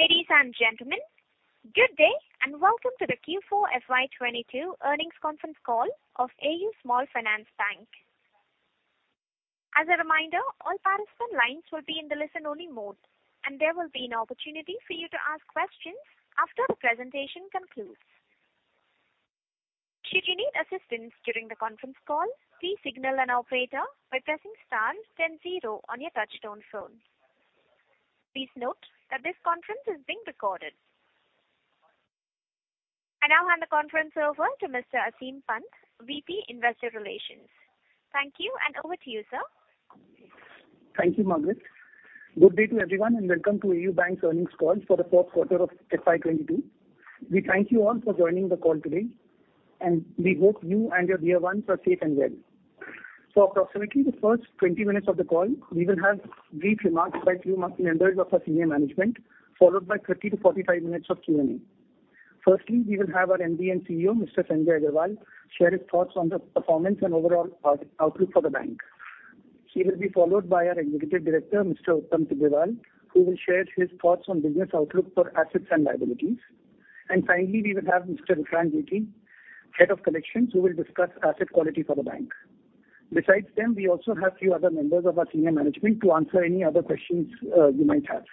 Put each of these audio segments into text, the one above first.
Ladies and gentlemen, good day and welcome to the Q4 FY 2022 earnings conference call of AU Small Finance Bank. As a reminder, all participant lines will be in the listen-only mode, and there will be an opportunity for you to ask questions after the presentation concludes. Should you need assistance during the conference call, please signal an operator by pressing star then zero on your touchtone phone. Please note that this conference is being recorded. I now hand the conference over to Mr. Aseem Pant, VP, Investor Relations. Thank you, and over to you, sir. Thank you, Margaret. Good day to everyone, and welcome to AU Bank's earnings call for the fourth quarter of FY 2022. We thank you all for joining the call today, and we hope you and your dear ones are safe and well. For approximately the first 20 minutes of the call, we will have brief remarks by few members of our senior management, followed by 30-45 minutes of Q&A. Firstly, we will have our MD and CEO, Mr. Sanjay Agarwal, share his thoughts on the performance and overall outlook for the bank. He will be followed by our Executive Director, Mr. Uttam Tibrewal, who will share his thoughts on business outlook for assets and liabilities. Finally, we will have Mr. Vikrant Jethi, Head of Collections, who will discuss asset quality for the bank. Besides them, we also have few other members of our senior management to answer any other questions, you might have.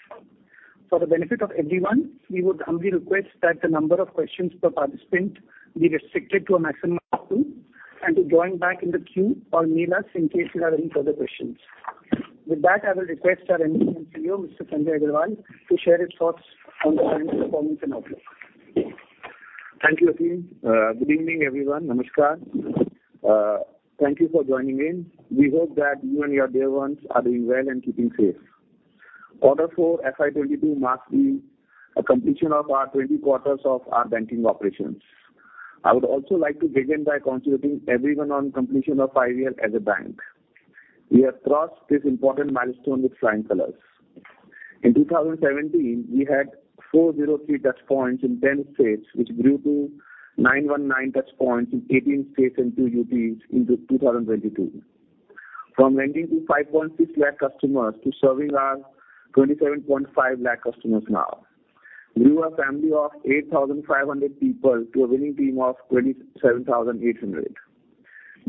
For the benefit of everyone, we would humbly request that the number of questions per participant be restricted to a maximum of two, and to join back in the queue or mail us in case you have any further questions. With that, I will request our MD and CEO, Mr. Sanjay Agarwal, to share his thoughts on the bank's performance and outlook. Thank you, Aseem. Good evening, everyone. Namaskar. Thank you for joining in. We hope that you and your dear ones are doing well and keeping safe. Quarter four FY 2022 marks the completion of our 20 quarters of our banking operations. I would also like to begin by congratulating everyone on completion of five years as a bank. We have crossed this important milestone with flying colors. In 2017, we had 403 touchpoints in 10 states, which grew to 919 touchpoints in 18 states and two UTs in 2022. From lending to 5.6 lakh customers to serving our 27.5 lakh customers now. Grew a family of 8,500 people to a winning team of 27,800.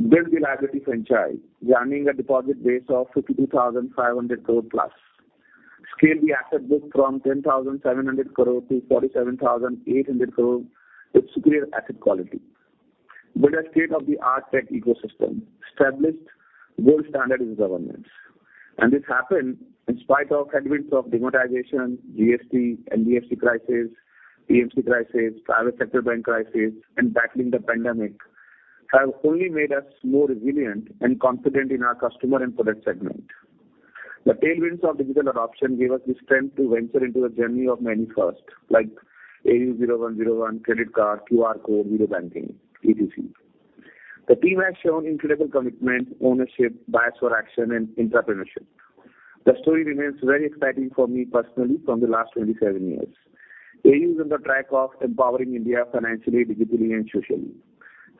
Built a liability franchise running a deposit base of 52,500 crore+. Scaled the asset book from 10,700 crore to 47,800 crore with superior asset quality. Built a state-of-the-art tech ecosystem. Established world standard in governance. This happened in spite of headwinds of demonetization, GST, NBFC crisis, PMC crisis, private sector bank crisis, and battling the pandemic, have only made us more resilient and confident in our customer and product segment. The tailwinds of digital adoption gave us the strength to venture into the journey of many firsts, like AU 0101 Credit Card, QR code, Video Banking, etc. The team has shown incredible commitment, ownership, bias for action and entrepreneurship. The story remains very exciting for me personally from the last 27 years. AU is on the track of empowering India financially, digitally and socially.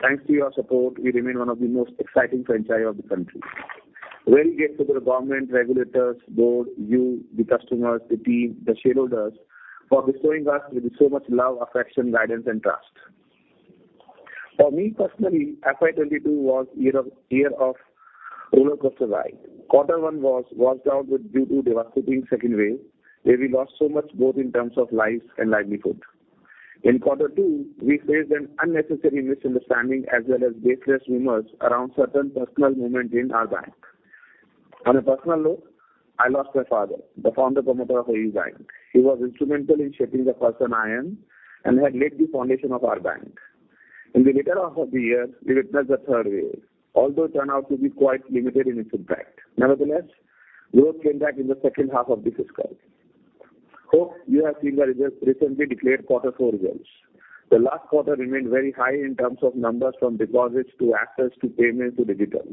Thanks to your support, we remain one of the most exciting franchise of the country. Well, hats off to the government, regulators, board, you, the customers, the team, the shareholders, for bestowing us with so much love, affection, guidance and trust. For me personally, FY 2022 was a year of rollercoaster ride. Quarter 1 was washed out due to devastating second wave, where we lost so much both in terms of lives and livelihood. In quarter 2, we faced an unnecessary misunderstanding as well as baseless rumors around certain personnel movement in our bank. On a personal note, I lost my father, the founder promoter of AU Bank. He was instrumental in shaping the person I am, and had laid the foundation of our bank. In the latter half of the year, we witnessed the third wave, although it turned out to be quite limited in its impact. Nevertheless, growth came back in the second half of this fiscal. Hope you have seen the results, recently declared quarter four results. The last quarter remained very high in terms of numbers from deposits to assets to payments to digital.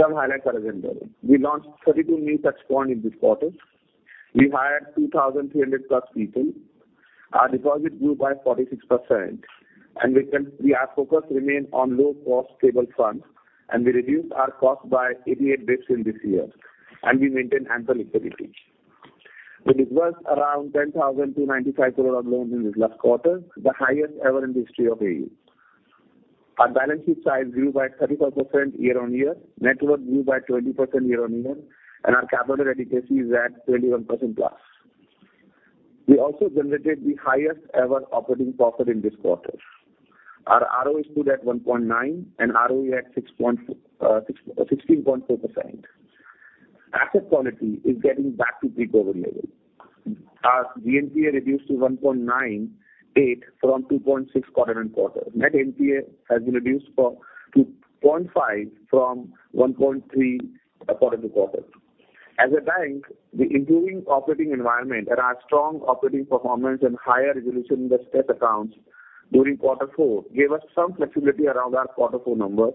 Some highlights are as under. We launched 32 new touchpoints in this quarter. We hired 2,300+ people. Our deposit grew by 46%. Our focus remained on low-cost stable funds, and we reduced our cost by 88 basis points in this year, and we maintained ample liquidity. We disbursed around 10,295 crore of loans in this last quarter, the highest ever in the history of AU. Our balance sheet size grew by 34% year-on-year. Net worth grew by 20% year-on-year, and our capital adequacy is at 21%+. We also generated the highest ever operating profit in this quarter. Our ROA stood at 1.9% and ROE at 16.4%. Asset quality is getting back to pre-COVID levels. Our GNPA reduced to 1.98 from 2.6 quarter-on-quarter. Net NPA has been reduced to 0.5 from 1.3, quarter-to-quarter. As a bank, the improving operating environment and our strong operating performance and higher resolution in the stressed accounts during quarter 4 gave us some flexibility around our quarter 4 numbers.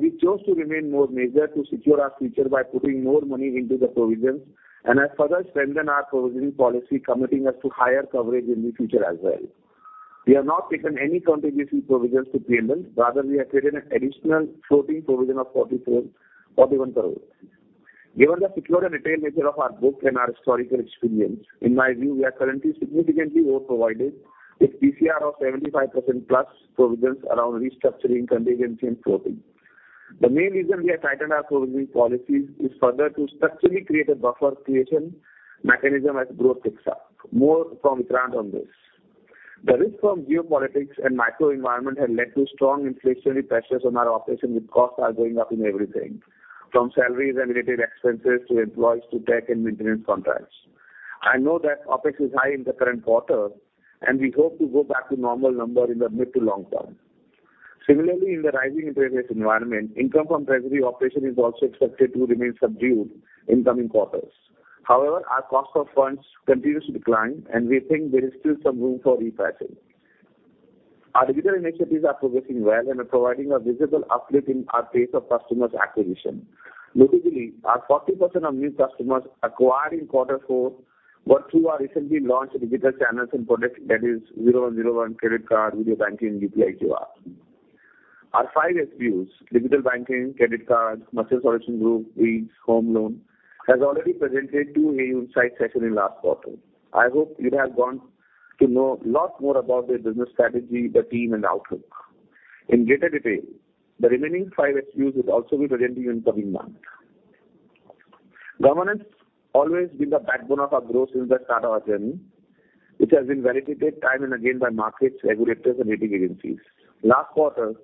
We chose to remain more measured to secure our future by putting more money into the provisions and has further strengthened our provisioning policy, committing us to higher coverage in the future as well. We have not taken any contingency provisions to P&L. Rather, we have taken an additional floating provision of 44 crore or even crores. Given the secular and retail nature of our book and our historical experience, in my view, we are currently significantly over-provided with PCR of 75% plus provisions around restructuring, contingency, and floating. The main reason we have tightened our provisioning policies is further to structurally create a buffer creation mechanism as growth picks up. More from Vikrant on this. The risk from geopolitics and macro environment has led to strong inflationary pressures on our OpEx, and the costs are going up in everything, from salaries and related expenses to employees to tech and maintenance contracts. I know that OpEx is high in the current quarter, and we hope to go back to normal number in the mid to long term. Similarly, in the rising interest rate environment, income from treasury operation is also expected to remain subdued in coming quarters. However, our cost of funds continues to decline, and we think there is still some room for repricing. Our digital initiatives are progressing well and are providing a visible uplift in our pace of customers acquisition. Notably, 40% of new customers acquired in quarter four were through our recently launched digital channels and product that is 0101 Credit Card, Video Banking, UPI QR. Our five SBUs, digital banking, Credit Cards, merchant solution group, loans, home loan, has already presented to AU Insights session in last quarter. I hope you'd have gotten to know lots more about their business strategy, the team, and outlook. In greater detail, the remaining five SBUs will also be presented in coming months. Governance always been the backbone of our growth since the start of our journey, which has been validated time and again by markets, regulators, and rating agencies. Last quarter,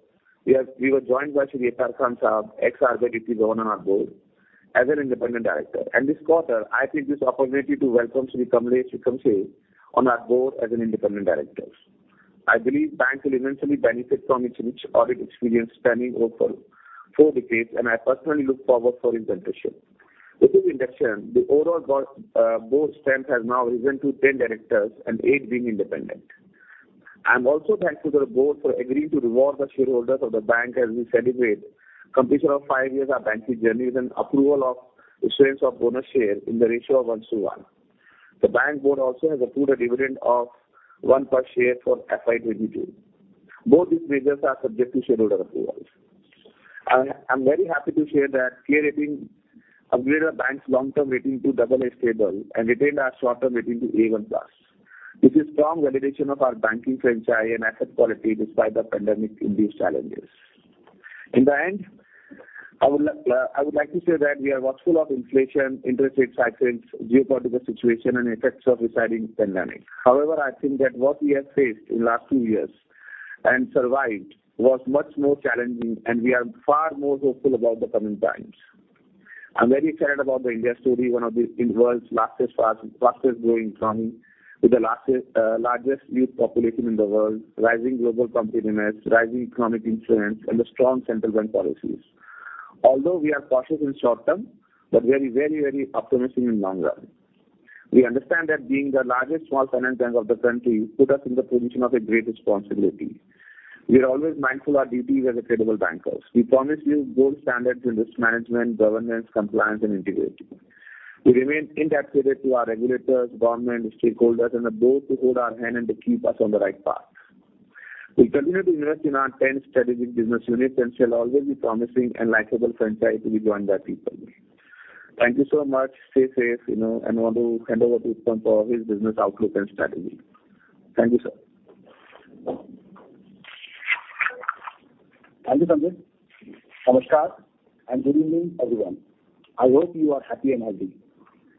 we were joined by Shri H.R. Khan Saab, ex-RBI deputy governor on our board as an independent director. This quarter, I take this opportunity to welcome Shri Kamlesh Vikamsey on our board as an independent director. I believe bank will eventually benefit from his rich audit experience spanning over four decades, and I personally look forward for his mentorship. With his induction, the overall board strength has now risen to ten directors and 8 being independent. I'm also thankful to the board for agreeing to reward the shareholders of the bank as we celebrate completion of five years of banking journey with an approval of issuance of bonus share in the ratio of 1/1. The bank Board also has approved a dividend of 1 per share for FY 2022. Both these measures are subject to shareholder approval. I'm very happy to share that CARE Ratings upgraded our bank's long-term rating to AA stable and retained our short-term rating to A1+. This is strong validation of our banking franchise and asset quality despite the pandemic-induced challenges. In the end, I would like to say that we are watchful of inflation, interest rate cycles, geopolitical situation, and effects of receding pandemic. However, I think that what we have faced in last two years and survived was much more challenging, and we are far more hopeful about the coming times. I'm very excited about the India story, one of the world's fastest growing economy with the largest youth population in the world, rising global competitiveness, rising economic influence, and the strong central bank policies. Although we are cautious in short term, but very optimistic in long run. We understand that being the largest Small Finance Bank of the country put us in the position of a great responsibility. We are always mindful of our duties as credible bankers. We promise you gold standard in risk management, governance, compliance, and integrity. We remain indebted to our regulators, government, stakeholders, and the board who hold our hand and to keep us on the right path. We'll continue to invest in our ten strategic business units and shall always be promising and likable franchise to be joined by people. Thank you so much. Stay safe, you know, and I want to hand over to Uttam for his business outlook and strategy. Thank you, sir. Thank you, Sanjay. Namaskar, and good evening, everyone. I hope you are happy and healthy.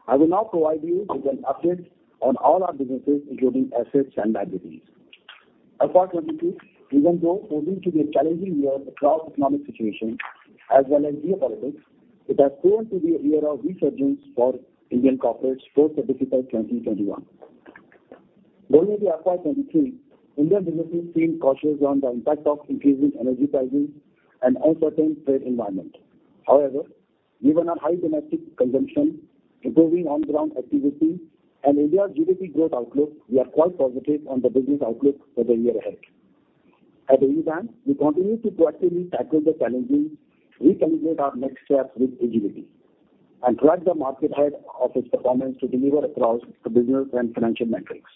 I will now provide you with an update on all our businesses, including assets and liabilities. FY 2022, even though proving to be a challenging year across economic situation as well as geopolitics, it has proven to be a year of resurgence for Indian corporates post the fiscal 2021. Going into FY 2023, Indian businesses feel cautious on the impact of increasing energy pricing and uncertain trade environment. However, given our high domestic consumption, improving on-the-ground activity, and India's GDP growth outlook, we are quite positive on the business outlook for the year ahead. At AU Bank, we continue to proactively tackle the challenges, reconfigure our next steps with agility, and drive the market height of its performance to deliver across the business and financial metrics.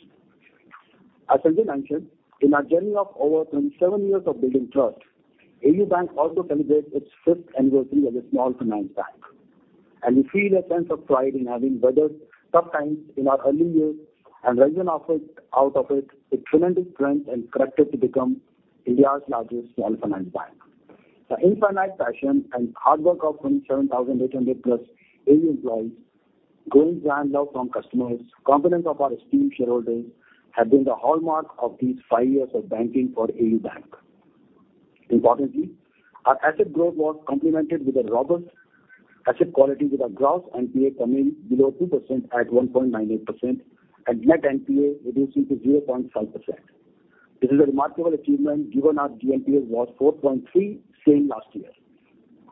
As Sanjay mentioned, in our journey of over 27 years of building trust, AU Bank also celebrates its fifth anniversary as a Small Finance Bank. We feel a sense of pride in having weathered tough times in our early years and risen out of it with tremendous strength and character to become India's largest small finance bank. The infinite passion and hard work of 27,800+ AU employees, growing giant love from customers, confidence of our esteemed shareholders have been the hallmark of these five years of banking for AU Bank. Importantly, our asset growth was complemented with a robust asset quality, with our gross NPA coming below 2% at 1.98% and net NPA reducing to 0.5%. This is a remarkable achievement, given our GNPA was 4.3% same last year.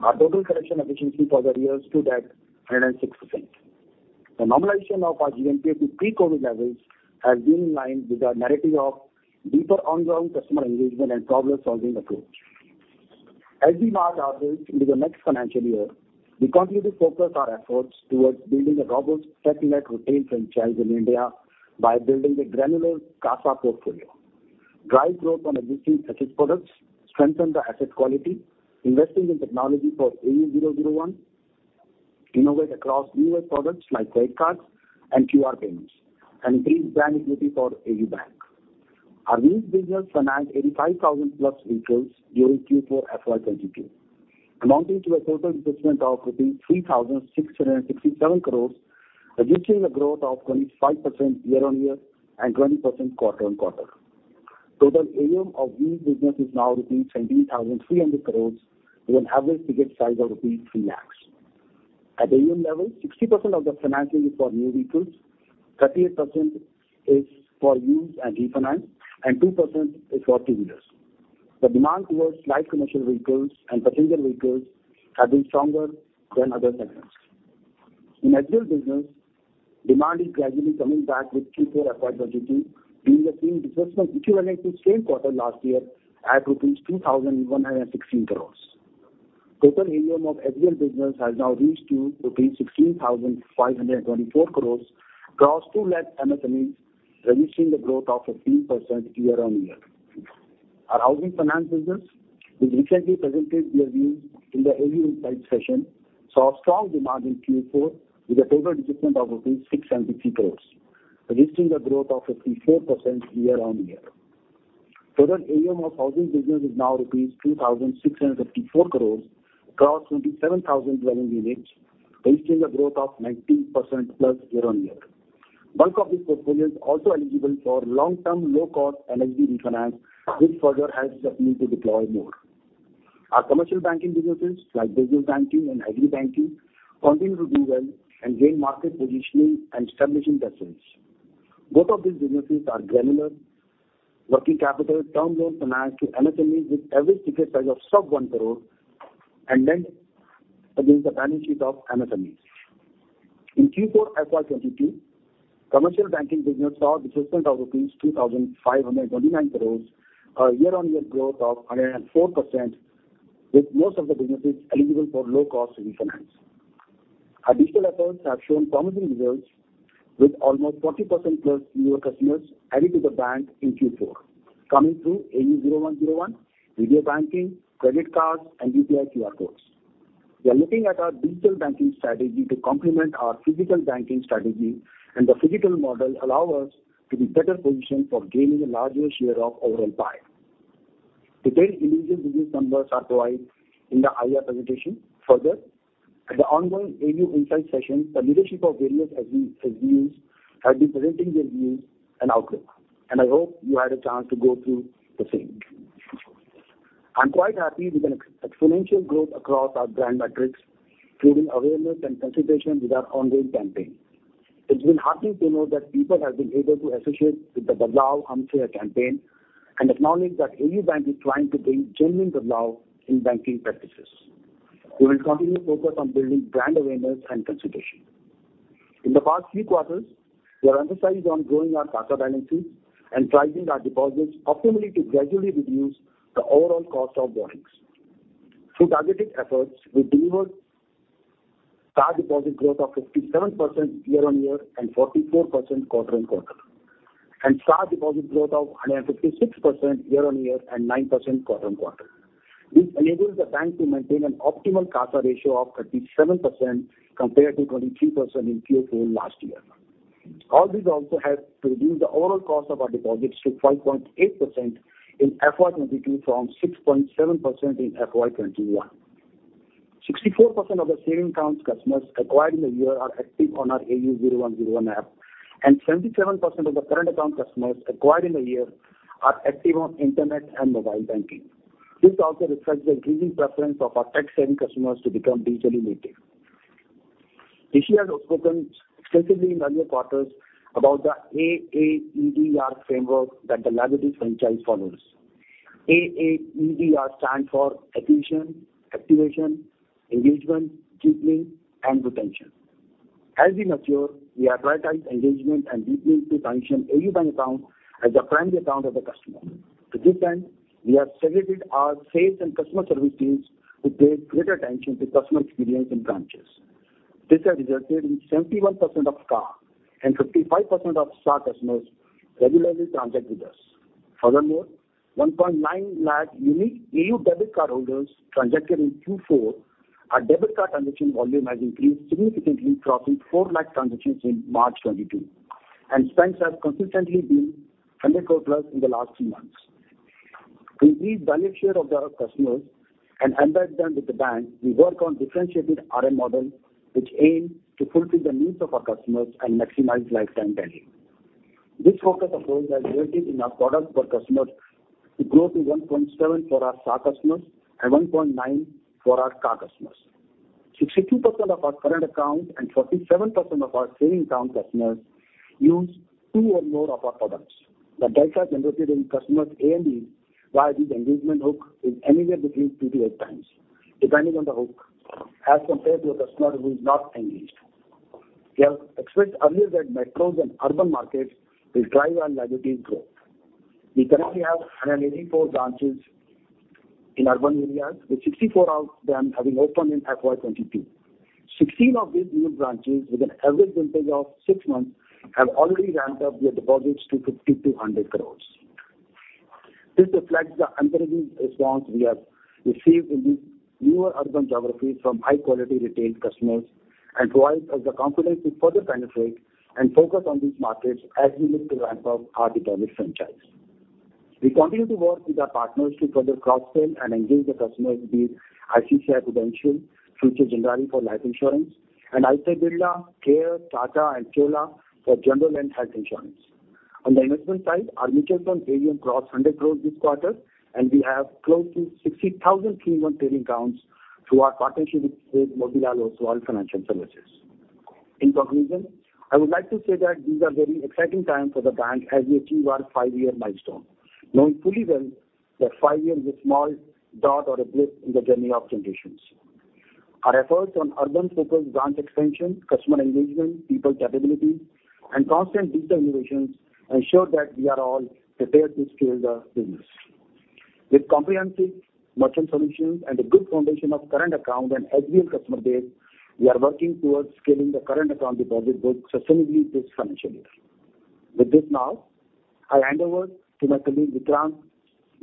Our total collection efficiency for the year stood at 106%. The normalization of our GNPA to pre-COVID levels has been in line with our narrative of deeper on-the-ground customer engagement and problem-solving approach. As we mark our way into the next financial year, we continue to focus our efforts towards building a robust tech-led retail franchise in India by building a granular CASA portfolio. Drive growth on existing asset products, strengthen the asset quality, investing in technology for AU 0101, innovate across newer products like Credit Cards and QR payments, and increase brand equity for AU Bank. Our lease business financed 85,000+ vehicles during Q4 FY 2022, amounting to a total disbursement of rupees 3,667 crore, registering a growth of 25% year-on-year and 20% quarter-on-quarter. Total AUM of lease business is now rupees 17,300 crores, with an average ticket size of rupees 3 lakhs. At the AUM level, 60% of the financing is for new vehicles, 38% is for used and refinance, and 2% is for two-wheelers. The demand towards light commercial vehicles and passenger vehicles have been stronger than other segments. In Agri business, demand is gradually coming back with Q4 FY 2022, delivering a thin disbursement equivalent to same quarter last year at rupees 2,116 crores. Total AUM of Agri business has now reached to rupees 16,524 crores across 2 lakh MSMEs, registering a growth of 15% year-on-year. Our Housing Finance business, which recently presented their views in the AU Insights session, saw a strong demand in Q4 with a total disbursement of 670 crore, registering a growth of 54% year-on-year. Total AUM of Housing business is now rupees 2,654 crore across 27,000 loan units, registering a growth of 19%+ year-on-year. Bulk of this portfolio is also eligible for long-term, low-cost NHB refinance, which further helps us need to deploy more. Our commercial banking businesses like business banking and agri-banking continue to do well and gain market positioning and establishing presence. Both of these businesses are granular, working capital term loan finance to MSMEs with average ticket size of sub 1 crore and lend against the balance sheet of MSMEs. In Q4 FY 2022, commercial banking business saw disbursement of 2,529 crore, a 104% year-on-year growth, with most of the businesses eligible for low cost refinance. Our digital efforts have shown promising results, with almost 40%+ newer customers added to the bank in Q4, coming through AU 0101, Video Banking, Credit Cards and UPI QR codes. We are looking at our digital banking strategy to complement our physical banking strategy, and the physical model allow us to be better positioned for gaining a larger share of overall pie. Detailed individual business numbers are provided in the IR presentation. Further, at the ongoing AU Insights session, the leadership of various SBUs have been presenting their views and outlook, and I hope you had a chance to go through the same. I'm quite happy with an exponential growth across our brand metrics, including awareness and consideration with our ongoing campaign. It's been heartening to know that people have been able to associate with the Badlaav Humse Hai campaign and acknowledge that AU Bank is trying to bring genuine Badlaav in banking practices. We will continue to focus on building brand awareness and consideration. In the past few quarters, we have emphasized on growing our CASA balances and pricing our deposits optimally to gradually reduce the overall cost of borrowings. Through targeted efforts, we delivered CA deposit growth of 57% year-on-year and 44% quarter-on-quarter, and SA deposit growth of 156% year-on-year and 9% quarter-on-quarter. This enables the bank to maintain an optimal CASA ratio of 37% compared to 23% in Q4 last year. All this also helps to reduce the overall cost of our deposits to 5.8% in FY 2022 from 6.7% in FY 2021. 64% of the savings accounts customers acquired in the year are active on our AU 0101 app, and 77% of the current account customers acquired in the year are active on internet and mobile banking. This also reflects the increasing preference of our tech-savvy customers to become digitally native. Rishi has spoken extensively in earlier quarters about the AAEDR framework that the legacy franchise follows. AAEDR stands for Attention, Activation, Engagement, Deepening and Retention. As we mature, we prioritize engagement and deepening to function AU Bank account as a primary account of the customer. To this end, we have segregated our sales and customer service teams to pay greater attention to customer experience in branches. This has resulted in 71% of CAR and 55% of SAR customers regularly transact with us. Furthermore, 1.9 lakh unique AU debit card holders transacted in Q4. Our debit card transaction volume has increased significantly, crossing 4 lakh transactions in March 2022, and spends have consistently been INR 100 crore plus in the last three months. To increase value share of their customers and embed them with the bank, we work on differentiated RM model, which aim to fulfill the needs of our customers and maximize lifetime value. This focus, of course, has resulted in our product per customer to grow to 1.7% for our SA customers and 1.9% for our CA customers. 62% of our current accounts and 47% of our savings account customers use two or more of our products. The delta generated in customers' AUM via this engagement hook is anywhere between 2x-8x, depending on the hook, as compared to a customer who is not engaged. We have expressed earlier that metros and urban markets will drive our liabilities growth. We currently have 184 branches in urban areas, with 64 of them having opened in FY 2022. Sixteen of these new branches, with an average vintage of six months, have already ramped up their deposits to 50 crore-100 crore. This reflects the encouraging response we have received in these newer urban geographies from high quality retail customers and provides us the confidence to further penetrate and focus on these markets as we look to ramp up our deposit franchise. We continue to work with our partners to further cross-sell and engage the customers via ICICI Prudential, Future Generali for life insurance, and Aditya Birla, Care, Tata, and Chola for general and health insurance. On the investment side, our mutual fund AUM crossed 100 crore this quarter, and we have close to 60,000 3-in-1 trading accounts through our partnership with Motilal Oswal Financial Services. In conclusion, I would like to say that these are very exciting times for the bank as we achieve our five-year milestone, knowing fully well that five years is a small dot or a blip in the journey of Centurions. Our efforts on urban-focused branch expansion, customer engagement, people capability, and constant digital innovations ensure that we are all prepared to scale the business. With comprehensive merchant solutions and a good foundation of current account and SBL customer base, we are working towards scaling the current account deposit book sustainably this financial year. With this now, I hand over to my colleague, Vikrant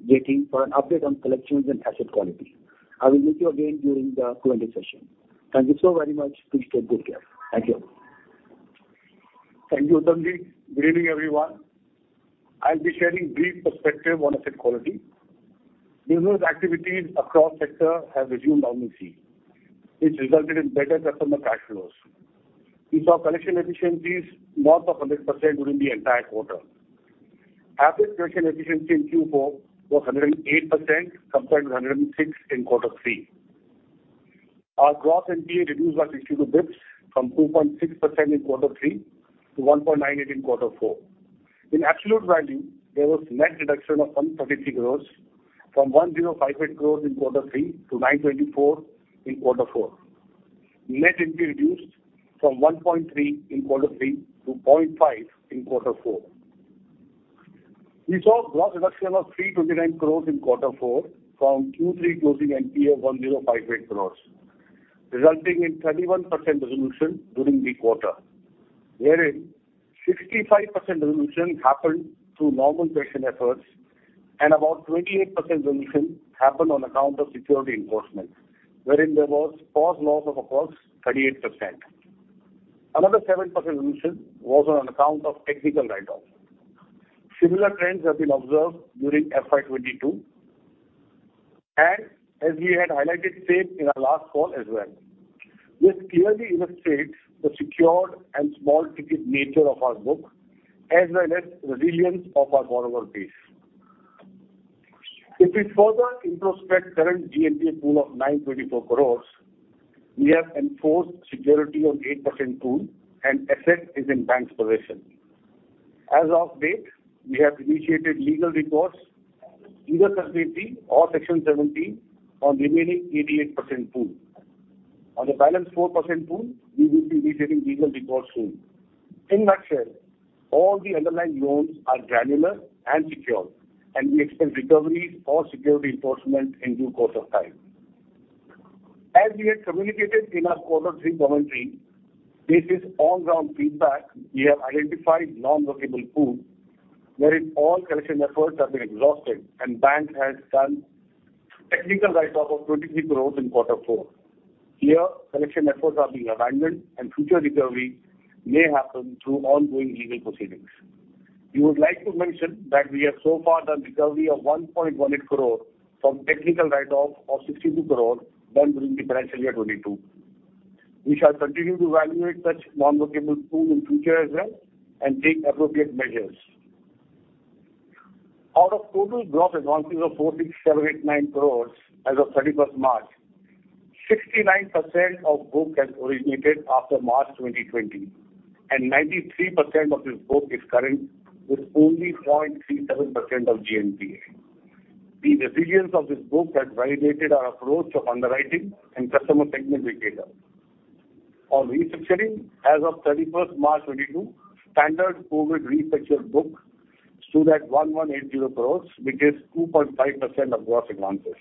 Jethi, for an update on collections and asset quality. I will meet you again during the Q&A session. Thank you so very much. Please take good care. Thank you. Thank you, Uttam. Good evening, everyone. I'll be sharing brief perspective on asset quality. Business activities across sectors have resumed normalcy, which resulted in better customer cash flows. We saw collection efficiencies north of 100% during the entire quarter. Average collection efficiency in Q4 was 108% compared to 106% in quarter three. Our gross NPA reduced by 62 basis points from 2.6% in quarter three to 1.98% in quarter 4. In absolute value, there was net reduction of 133 crore from 1,058 crore in quarter 3 to 924 crore in quarter 4. Net NPA reduced from 1.3% in quarter 3 to 0.5% in quarter 4. We saw gross reduction of 329 crores in quarter four from Q3 closing NPA of 1,058 crores, resulting in 31% resolution during the quarter. Wherein 65% resolution happened through normal collection efforts and about 28% resolution happened on account of security enforcement, wherein there was haircut of course 38%. Another 7% resolution was on account of technical write-off. Similar trends have been observed during FY 2022, as we had highlighted same in our last call as well. This clearly illustrates the secured and small ticket nature of our book, as well as resilience of our borrower base. If we further introspect current GNPA pool of 924 crores, we have enforced security on 8% pool and asset is in bank's possession. As of date, we have initiated legal recourse, either Section 13 or Section 17 on remaining 88% pool. On the balance 4% pool, we will be initiating legal recourse soon. In nutshell, all the underlying loans are granular and secure, and we expect recoveries or security enforcement in due course of time. As we had communicated in our quarter three commentary, based on ground feedback, we have identified non-workable pool, wherein all collection efforts have been exhausted and bank has done technical write-off of INR 23 crore in quarter four. Here, collection efforts are being abandoned and future recovery may happen through ongoing legal proceedings. We would like to mention that we have so far done recovery of 1.18 crore from technical write-off of 62 crore done during the financial year 2022. We shall continue to evaluate such non-workable pool in future as well and take appropriate measures. Out of total gross advances of 4,789 crores as of March 31st, 69% of book has originated after March 2020, and 93% of this book is current, with only 0.37% of GNPA. The resilience of this book has validated our approach of underwriting and customer segment we cater. On restructuring, as of March 31st, 2022, standard COVID restructured book stood at 1,180 crores, which is 2.5% of gross advances.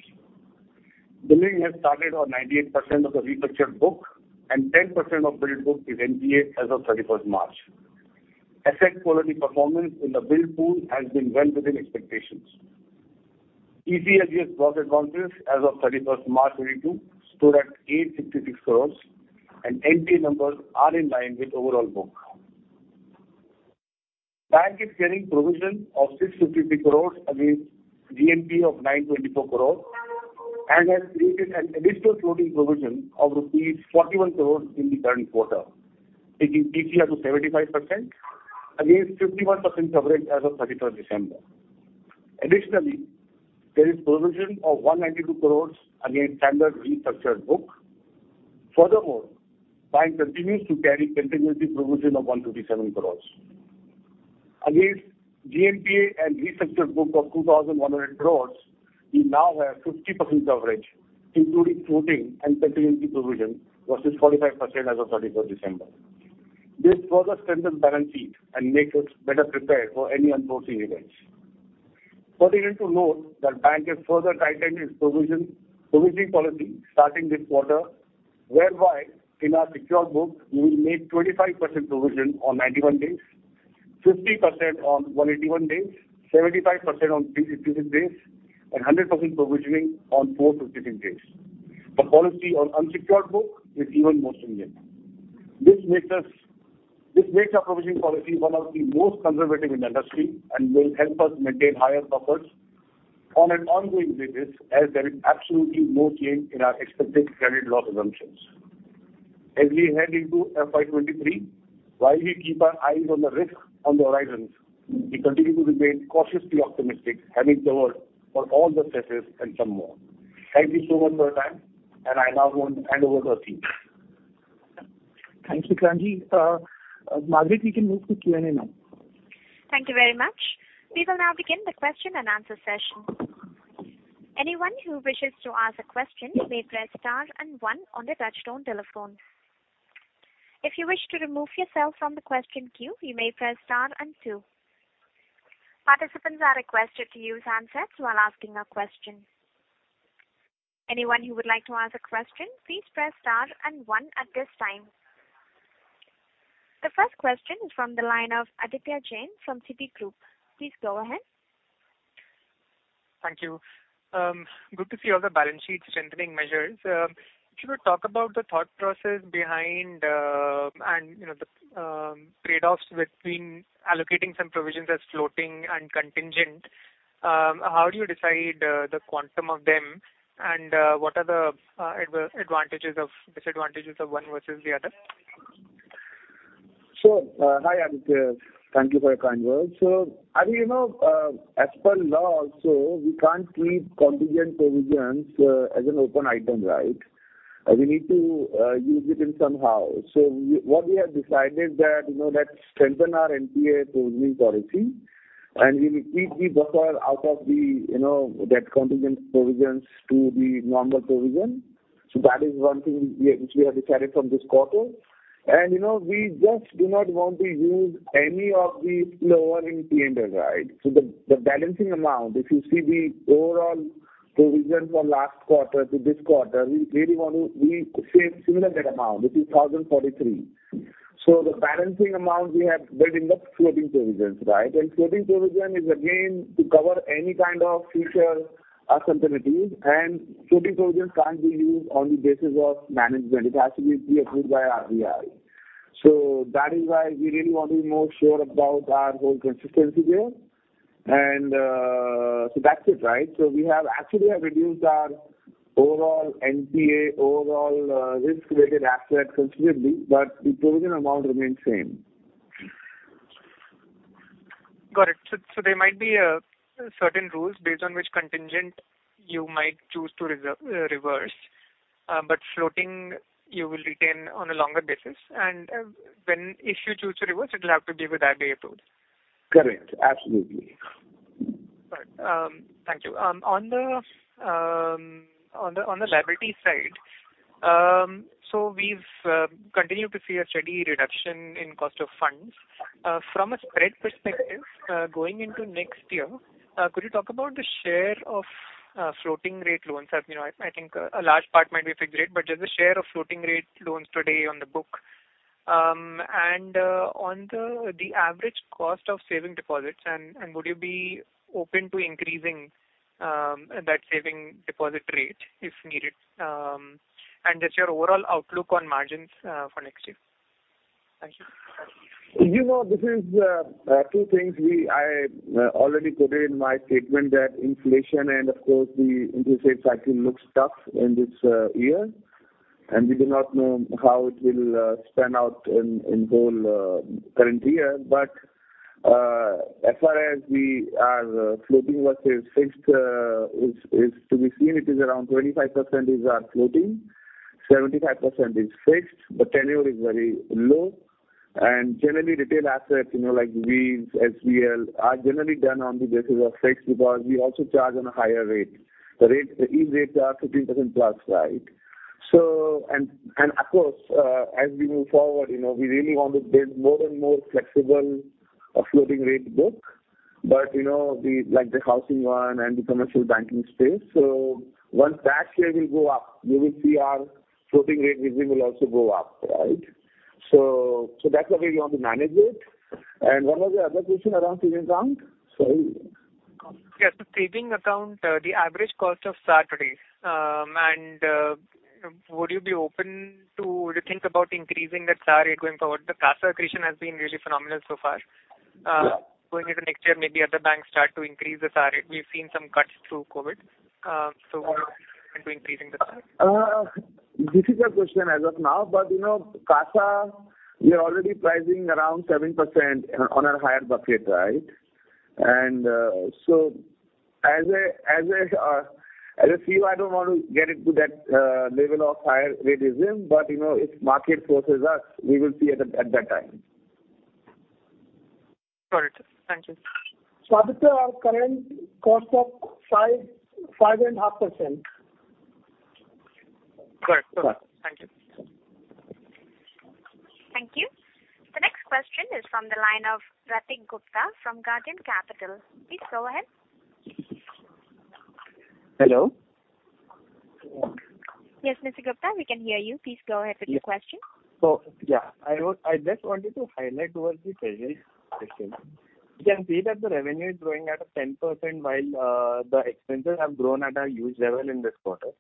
Billing has started on 98% of the restructured book, and 10% of billed book is NPA as of March 31st. Asset quality performance in the billed pool has been well within expectations. ECLGS gross advances as of March 31, 2022 stood at 866 crores, and NPA numbers are in line with overall book. Bank is carrying provision of 653 crores against GNPA of 924 crores, and has created an additional floating provision of INR 41 crores in the current quarter, taking PCR to 75% against 51% coverage as of December 31. Additionally, there is provision of 192 crores against standard restructured book. Furthermore, bank continues to carry contingency provision of 127 crores. Against GNPA and restructured book of 2,100 crores, we now have 50% coverage, including floating and contingency provision versus 45% as of December 31st. This further strengthens balance sheet and makes us better prepared for any unforeseen events. Further to note that bank has further tightened its provision, provisioning policy starting this quarter, whereby in our secured book we will make 25% provision on 91 days, 50% on 181 days, 75% on 360 days, and 100% provisioning on 453 days. The policy on unsecured book is even more stringent. This makes our provisioning policy one of the most conservative in the industry and will help us maintain higher buffers on an ongoing basis as there is absolutely no change in our expected credit loss assumptions. As we head into FY 2023, while we keep our eyes on the risks on the horizon, we continue to remain cautiously optimistic, having covered for all the stresses and some more. Thank you so much for your time, and I now want to hand over to our team. Thank you, Vikrant. Margaret, we can move to Q&A now. Thank you very much. We will now begin the question-and-answer session. Anyone who wishes to ask a question may press star and one on their touchtone telephone. If you wish to remove yourself from the question queue, you may press star and two. Participants are requested to use handsets while asking a question. Anyone who would like to ask a question, please press star and one at this time. The first question is from the line of Aditya Jain from Citi. Please go ahead. Thank you. Good to see all the balance sheet strengthening measures. Could you talk about the thought process behind the trade-offs between allocating some provisions as floating and contingent? How do you decide the quantum of them, and what are the advantages and disadvantages of one versus the other? Sure. Hi, Aditya. Thank you for your kind words. Aditya, you know, as per law also, we can't keep contingent provisions as an open item, right? We need to use it in somehow. What we have decided that, you know, let's strengthen our NPA provisioning policy, and we will keep the buffer out of the, you know, that contingent provisions to the normal provision. That is one thing which we have decided from this quarter. You know, we just do not want to use any of the lower in P&L, right? The balancing amount, if you see the overall provision from last quarter to this quarter, we save similar net amount, which is 1,043. The balancing amount we have built in the floating provisions, right? Floating provision is again to cover any kind of future uncertainties, and floating provisions can't be used on the basis of management. It has to be pre-approved by RBI. That is why we really want to be more sure about our whole consistency there. That's it, right? We have actually reduced our overall NPA, overall risk-related assets considerably, but the provision amount remains same. Got it. There might be certain rules based on which contingent you might choose to reverse, but floating you will retain on a longer basis and when if you choose to reverse, it'll have to be with RBI approval. Correct. Absolutely. Got it. Thank you. On the liability side, we've continued to see a steady reduction in cost of funds. From a spread perspective, going into next year, could you talk about the share of floating rate loans? As you know, I think a large part might be fixed rate, but just the share of floating rate loans today on the book. On the average cost of savings deposits and would you be open to increasing that savings deposit rate if needed? Just your overall outlook on margins for next year. Thank you. You know, I already quoted in my statement that inflation and of course the interest rate cycle looks tough in this year, and we do not know how it will pan out in the whole current year. As far as we are, floating versus fixed is to be seen. It is around 25% is our floating, 75% is fixed, but tenure is very low. Generally retail assets, you know, like Wheels, SBL, are generally done on the basis of fixed because we also charge on a higher rate. These rates are 15%+, right? Of course, as we move forward, you know, we really want to build more and more flexible floating rate book, but you know, like, the Housing one and the commercial banking space. Once that share will go up, you will see our floating rate regime will also go up, right? That's the way we want to manage it. What was the other question around savings account? Sorry. Yes. The savings account, the average cost of SA today. Would you think about increasing that SAR rate going forward? The CASA accretion has been really phenomenal so far. Yeah. Going into next year, maybe other banks start to increase the SA rate. We've seen some cuts through COVID. What are your plans to increasing the SA rate? Difficult question as of now, but you know, CASA, we are already pricing around 7% on a higher bucket, right? So as a CEO, I don't want to get into that level of higher rate regime, but you know, if market forces us, we will see at that time. Correct. Thank you, sir. Aditya, our current cost of 5%-5.5%. Correct. Thank you. Thank you. The next question is from the line of Ratik Gupta from Guardian Capital. Please go ahead. Hello. Yes, Mr. Gupta, we can hear you. Please go ahead with your question. I just wanted to highlight toward the treasury question. We can see that the revenue is growing at 10% while the expenses have grown at a huge level in this quarter.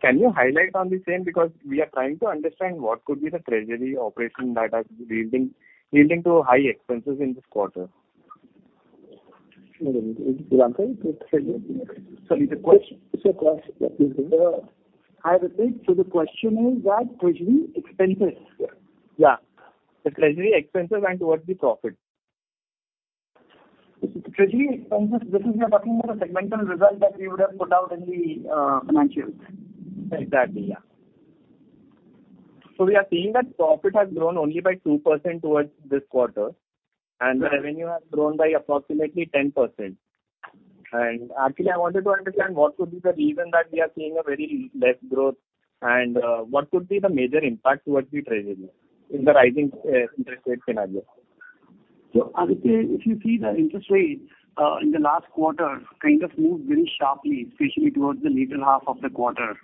Can you highlight on the same? Because we are trying to understand what could be the treasury operation that has led to high expenses in this quarter. Will you answer it? Treasury. Sorry, the question. Sir, please go ahead. Hi, Ratik. The question is what? Treasury expenses. Yeah. The treasury expenses and towards the profit. Treasury expenses, this is, we are talking about a segmental result that we would have put out in the financials. Exactly, yeah. We are seeing that profit has grown only by 2% towards this quarter and the revenue has grown by approximately 10%. Actually, I wanted to understand what could be the reason that we are seeing a very less growth and what could be the major impact towards the treasury if the rising interest rates can adjust. Ratik, if you see the interest rates in the last quarter kind of moved very sharply, especially towards the latter half of the quarter,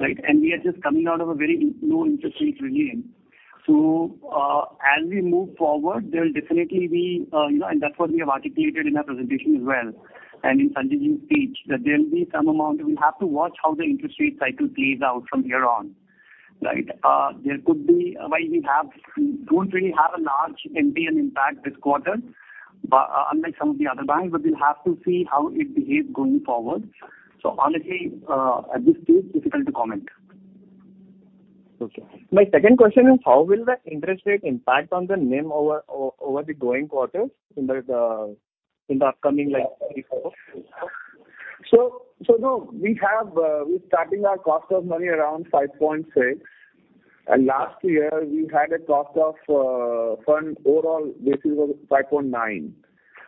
right? We are just coming out of a very low interest rates regime. As we move forward, there will definitely be you know, and that's what we have articulated in our presentation as well and in Sanjay's speech, that there will be some amount. We have to watch how the interest rate cycle plays out from here on, right? We don't really have a large MTM impact this quarter, but unlike some of the other banks, we'll have to see how it behaves going forward. Honestly, at this stage, difficult to comment. Okay. My second question is how will the interest rate impact on the NIM over the coming quarters in the upcoming like three quarters? We're starting our cost of money around 5.6%, and last year we had a cost of funds overall basis of 5.9%.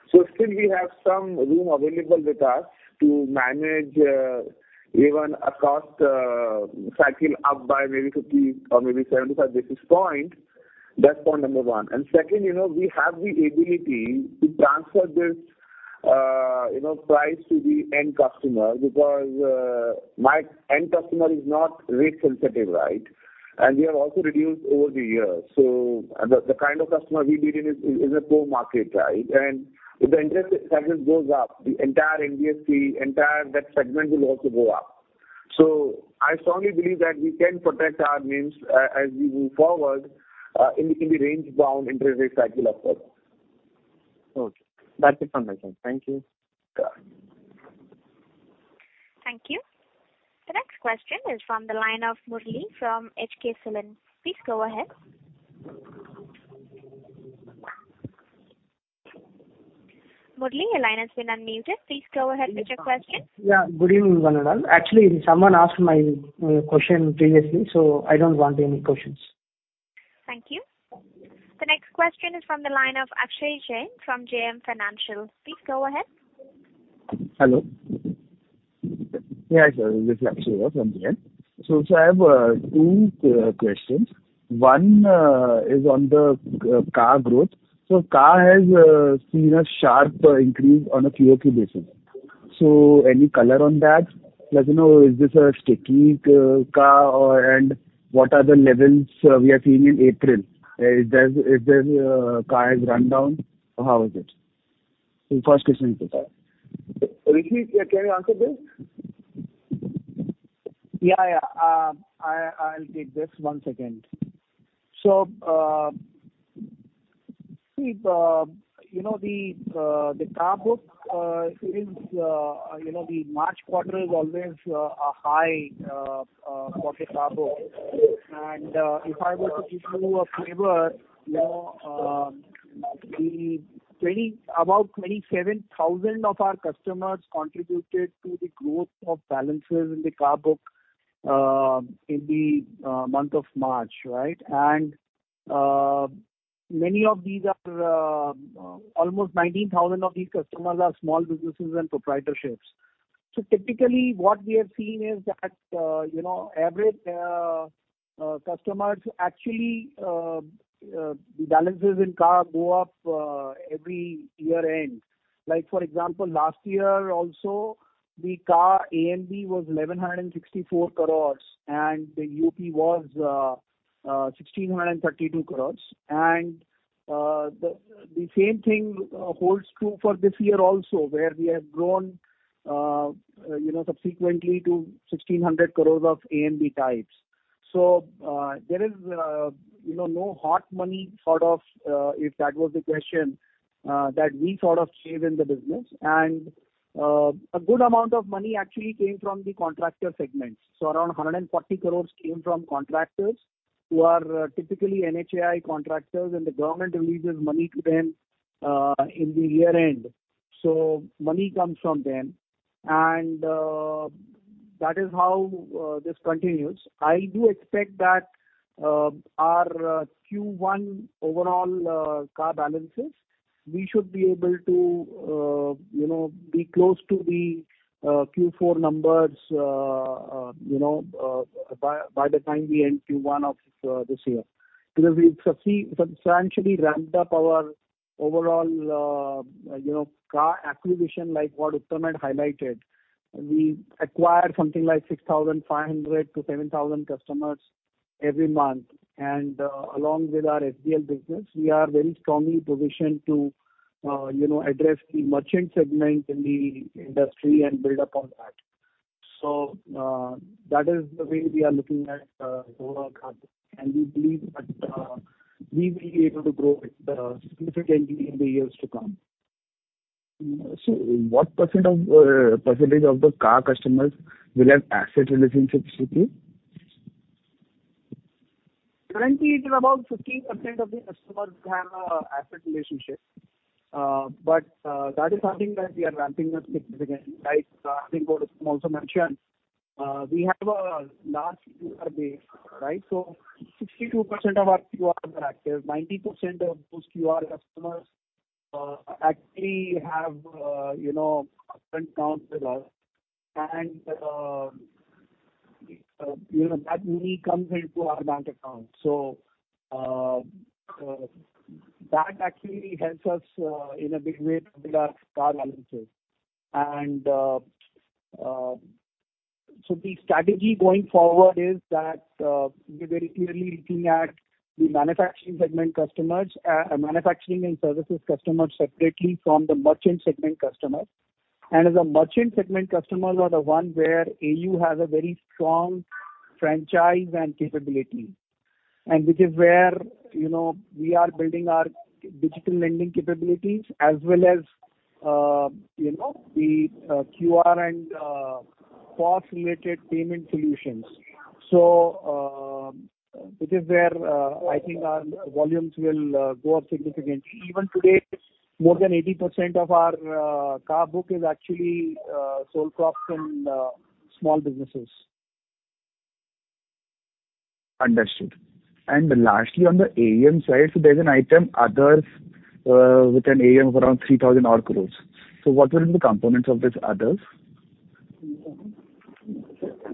Still we have some room available with us to manage even a cost cycle up by maybe 50 or maybe 75 basis points. That's point number one. Second, you know, we have the ability to transfer this, you know, price to the end customer because my end customer is not rate sensitive, right? We have also reduced over the years. The kind of customer we deal in is a core market, right? If the interest segment goes up, the entire NBFC, entire debt segment will also go up. I strongly believe that we can protect our NIMs as we move forward in the range-bound interest rate cycle or further. Okay. That's it from my side. Thank you. Sure. Thank you. The next question is from the line of Murali from HSBC. Please go ahead. Murali, your line has been unmuted. Please go ahead with your question. Yeah. Good evening, [Ganapal]. Actually, someone asked my question previously, so I don't want any questions. Thank you. The next question is from the line of Akshay Jain from JM Financial. Please go ahead. Hello. Yes, this is Akshay from JM. I have two questions. One is on the car growth. CA has seen a sharp increase on a QoQ basis. Any color on that? Like, you know, is this a sticky CA or, and what are the levels we are seeing in April? Is the CA run down or how is it? The first question to that. Rishi, can you answer this? I'll take this. One second. See, you know, the car book is, you know, the March quarter is always a high for the CA book. If I were to give you a flavor, you know, about 27,000 of our customers contributed to the growth of balances in the CA book in the month of March, right? Many of these are almost 19,000 of these customers are small businesses and proprietorships. Typically what we have seen is that, you know, the average customer balances actually in the CA go up every year end. Like for example last year also the CA AMB was 1,164 crores and the end was 1,632 crores. The same thing holds true for this year also where we have grown, you know, subsequently to 1,600 crore AMB types. There is, you know, no hot money sort of, if that was the question, that we sort of have in the business. A good amount of money actually came from the contractor segments. Around 140 crore came from contractors. Who are typically NHAI contractors, and the government releases money to them at year-end. Money comes from them, and that is how this continues. I do expect that our Q1 overall car balances we should be able to you know be close to the Q4 numbers you know by the time we end Q1 of this year. Because we've substantially ramped up our overall you know car acquisition like what Uttam had highlighted. We acquire something like 6,500-7,000 customers every month. Along with our SBL business, we are very strongly positioned to you know address the merchant segment in the industry and build upon that. That is the way we are looking at overall growth. We believe that we will be able to grow it significantly in the years to come. What percentage of the car customers will have asset relationship with you? Currently it is about 15% of the customers have an asset relationship. But that is something that we are ramping up significantly, right? I think what Uttam also mentioned, we have a large QR base, right? So 62% of our QR are active. 90% of those QR customers actually have, you know, a current account with us and, you know, that money comes into our bank account. So that actually helps us in a big way to build our CASA balances. So the strategy going forward is that we're very clearly looking at the manufacturing segment customers, manufacturing and services customers separately from the merchant segment customers. As merchant segment customers are the one where AU has a very strong franchise and capability. Which is where, you know, we are building our digital lending capabilities as well as, you know, the QR and cost related payment solutions. Which is where, I think our volumes will go up significantly. Even today, more than 80% of our car book is actually sole props and small businesses. Understood. Lastly, on the AUM side, so there's an item, others, with an AUM of around 3,000 crore. What will be the components of this others?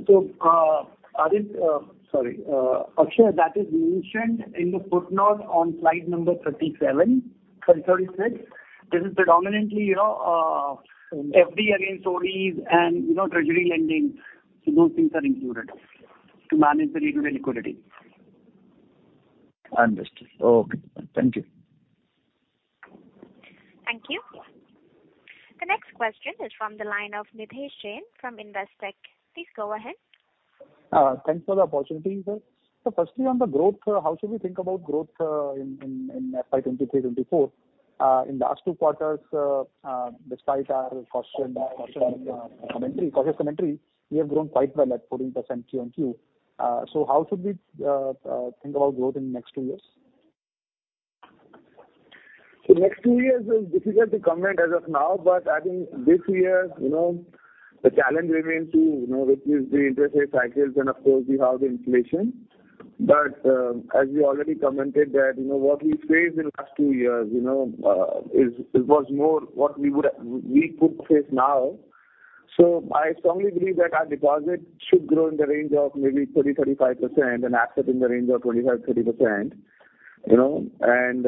Arif, sorry, Akshay, that is mentioned in the footnote on slide number 37, sorry, 36. This is predominantly, you know, FD and securities and, you know, treasury lending. Those things are included to manage the regular liquidity. Understood. Okay. Thank you. Thank you. The next question is from the line of Nidhesh Jain from Investec. Please go ahead. Thanks for the opportunity. Firstly on the growth, how should we think about growth in FY 2023-2024? In the last two quarters, despite our cautious commentary, we have grown quite well at 14% QoQ. How should we think about growth in next two years? Next two years is difficult to comment as of now. I think this year, you know, the challenge remains to, you know, reduce the interest rate cycles and of course we have the inflation. As we already commented that, you know, what we faced in last two years, you know, is what more we could face now. I strongly believe that our deposit should grow in the range of maybe 30%-35% and asset in the range of 25%-30%, you know. And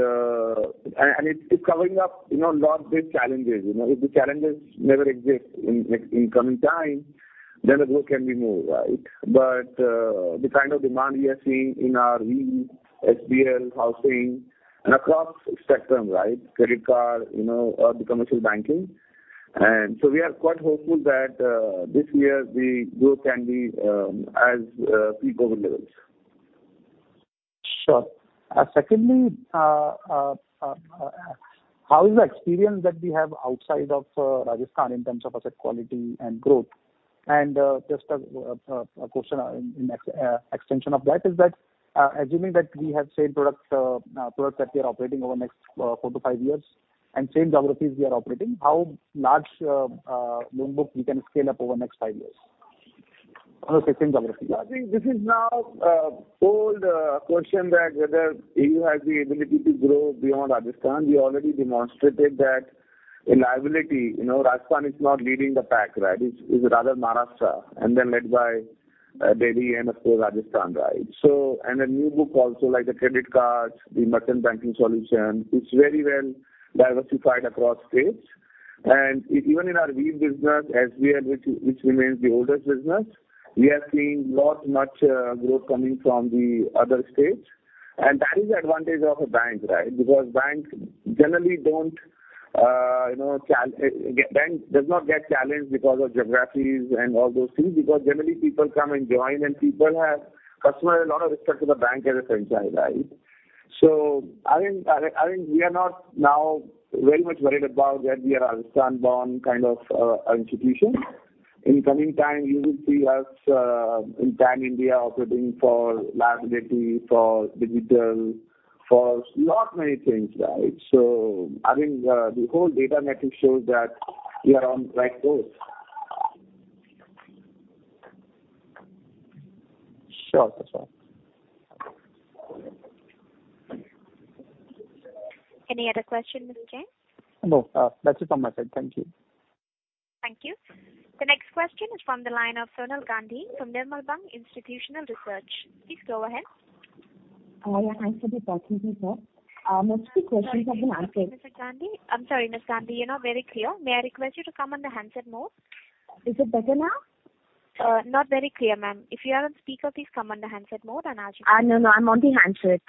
it's covering up, you know, a lot of big challenges, you know. If the challenges never exist in coming time, then the growth can be more, right? The kind of demand we are seeing in our Wheels, SBL, Housing and across spectrum, right? Credit Card, you know, or the commercial banking. We are quite hopeful that this year the growth can be as pre-COVID levels. Sure. Secondly, how is the experience that we have outside of Rajasthan in terms of asset quality and growth? Just a question in extension of that is that, assuming that we have same product that we are operating over the next four to five years and same geographies we are operating, how large loan book we can scale up over the next five years on the same geographies? I think this is now an old question that whether AU has the ability to grow beyond Rajasthan. We already demonstrated that in liabilities, you know, Rajasthan is not leading the pack, right? It's rather Maharashtra and then led by Delhi and of course Rajasthan, right? The new book also like the Credit Cards, the merchant banking solution, it's very well diversified across states. And even in our Wheels business as we are which remains the oldest business, we are seeing a lot more growth coming from the other states. And that is the advantage of a bank, right? Because banks generally don't you know get challenged because of geographies and all those things because generally people come and join, and customers have a lot of respect for the bank as a franchise, right? I mean, I think we are not now very much worried about that we are Rajasthan born kind of institution. In coming time, you will see us in Pan India operating for liability, for digital, for lot many things, right? I think the whole data metric shows that we are on right course. Sure, sir. Any other question, Mr. Jain? No. That's it from my side. Thank you. Thank you. The next question is from the line of Sonal Gandhi from Nirmal Bang Institutional Research. Please go ahead. Yeah. Thanks for the opportunity, sir. Most of the questions have been asked. Sorry, Mr. Gandhi. I'm sorry, Ms. Gandhi, you're not very clear. May I request you to come on the handset mode? Is it better now? Not very clear, ma'am. If you are on speaker, please come on the handset mode and I'll- No, no. I'm on the handset.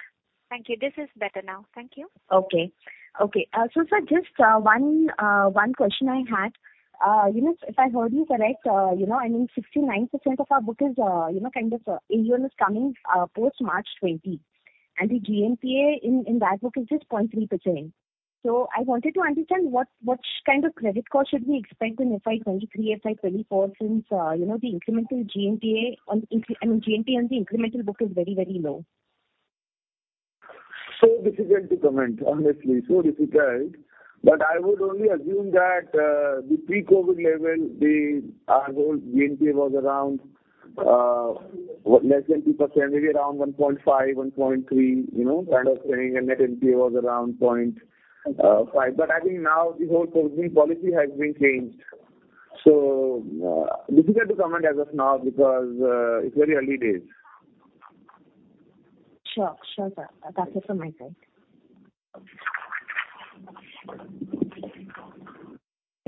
Thank you. This is better now. Thank you. Okay, so sir, just one question I had. You know, if I heard you correct, you know, I mean 69% of our book is, you know, kind of, annual is coming, post March 2020, and the GNPA in that book is just 0.3%. I wanted to understand what kind of credit cost should we expect in FY 2023, FY 2024 since, you know, the incremental GNPA, I mean, GNPA on the incremental book is very, very low. Difficult to comment, honestly. I would only assume that the pre-COVID level, our whole GNPA was around less than 2%, maybe around 1.5%-1.3%, you know, kind of staying and net NPA was around 0.5%. I think now the whole provisioning policy has been changed, difficult to comment as of now because it's very early days. Sure. Sure, sir. That's it from my side.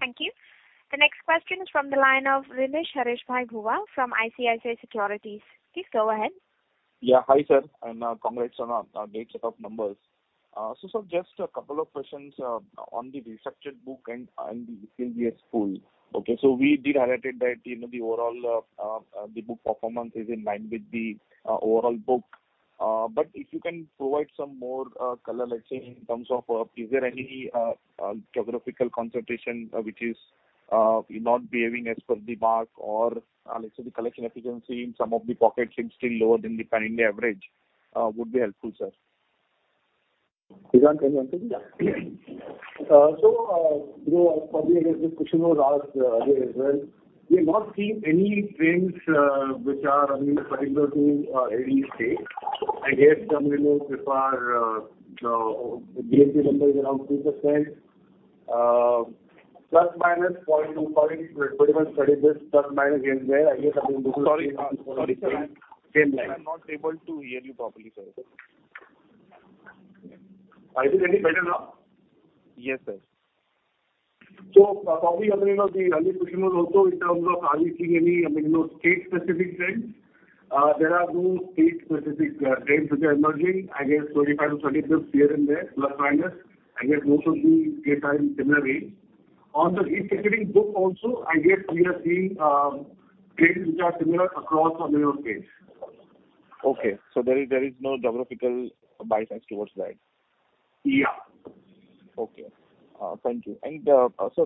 Thank you. The next question is from the line of Renish Bhuva from ICICI Securities. Please go ahead. Yeah. Hi, sir, and congrats on a great set of numbers. Sir, just a couple of questions on the restructured book and the ECLGS pool. Okay, we did highlight that, you know, the overall the book performance is in line with the overall book. If you can provide some more color, let's say in terms of, is there any geographical concentration which is not behaving as per the mark or, let's say the collection efficiency in some of the pockets is still lower than the pan India average, would be helpful, sir. Yeah. So, you know, probably again this question was asked earlier as well. We have not seen any trends which are, I mean, particular to any state. I guess GNPA number is around 3%, ±0.2 points, pretty much credit risk plus minus here and there. I guess, I mean, this is. Sorry. Sorry, sir. Same line. I'm not able to hear you properly, sir. Is it any better now? Yes, sir. Probably, I mean, the earlier question was also in terms of are you seeing any, I mean, you know, state specific trends. There are no state specific trends which are emerging. I guess 25-30 basis points here and there, plus/minus. I guess most of the states are in similar range. On the restructuring book also, I guess we are seeing trends which are similar across all the states. Okay. There is no geographical bias towards that? Yeah. Okay. Thank you.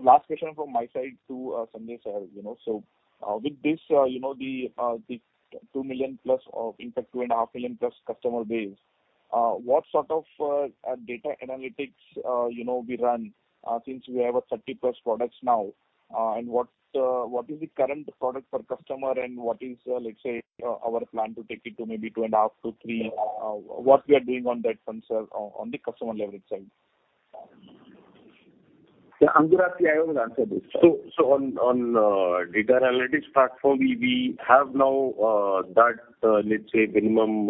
Last question from my side to Sanjay Agarwal, sir. You know, with this you know the two million+ or in fact 2.5 million+ customer base, what sort of data analytics you know we run since we have 30+ products now? What is the current product per customer and what is let's say our plan to take it to maybe 2.5 million-3 million? What we are doing on that front, sir, on the customer leverage side? I think, will answer this. On data analytics platform, we have now that let's say minimum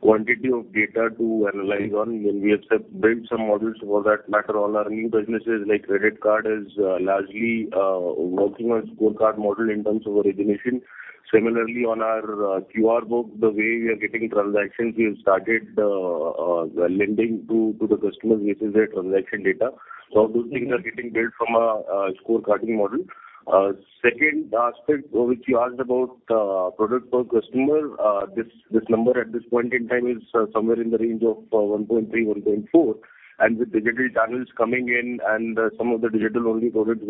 quantity of data to analyze on when we have built some models for that matter. All our new businesses like Credit Card is largely working on scorecard model in terms of origination. Similarly, on our QR book, the way we are getting transactions, we have started lending to the customers using their transaction data. Those things are getting built from a scorecarding model. Second aspect which you asked about, product per customer. This number at this point in time is somewhere in the range of 1.3-1.4. With digital channels coming in and some of the digital-only products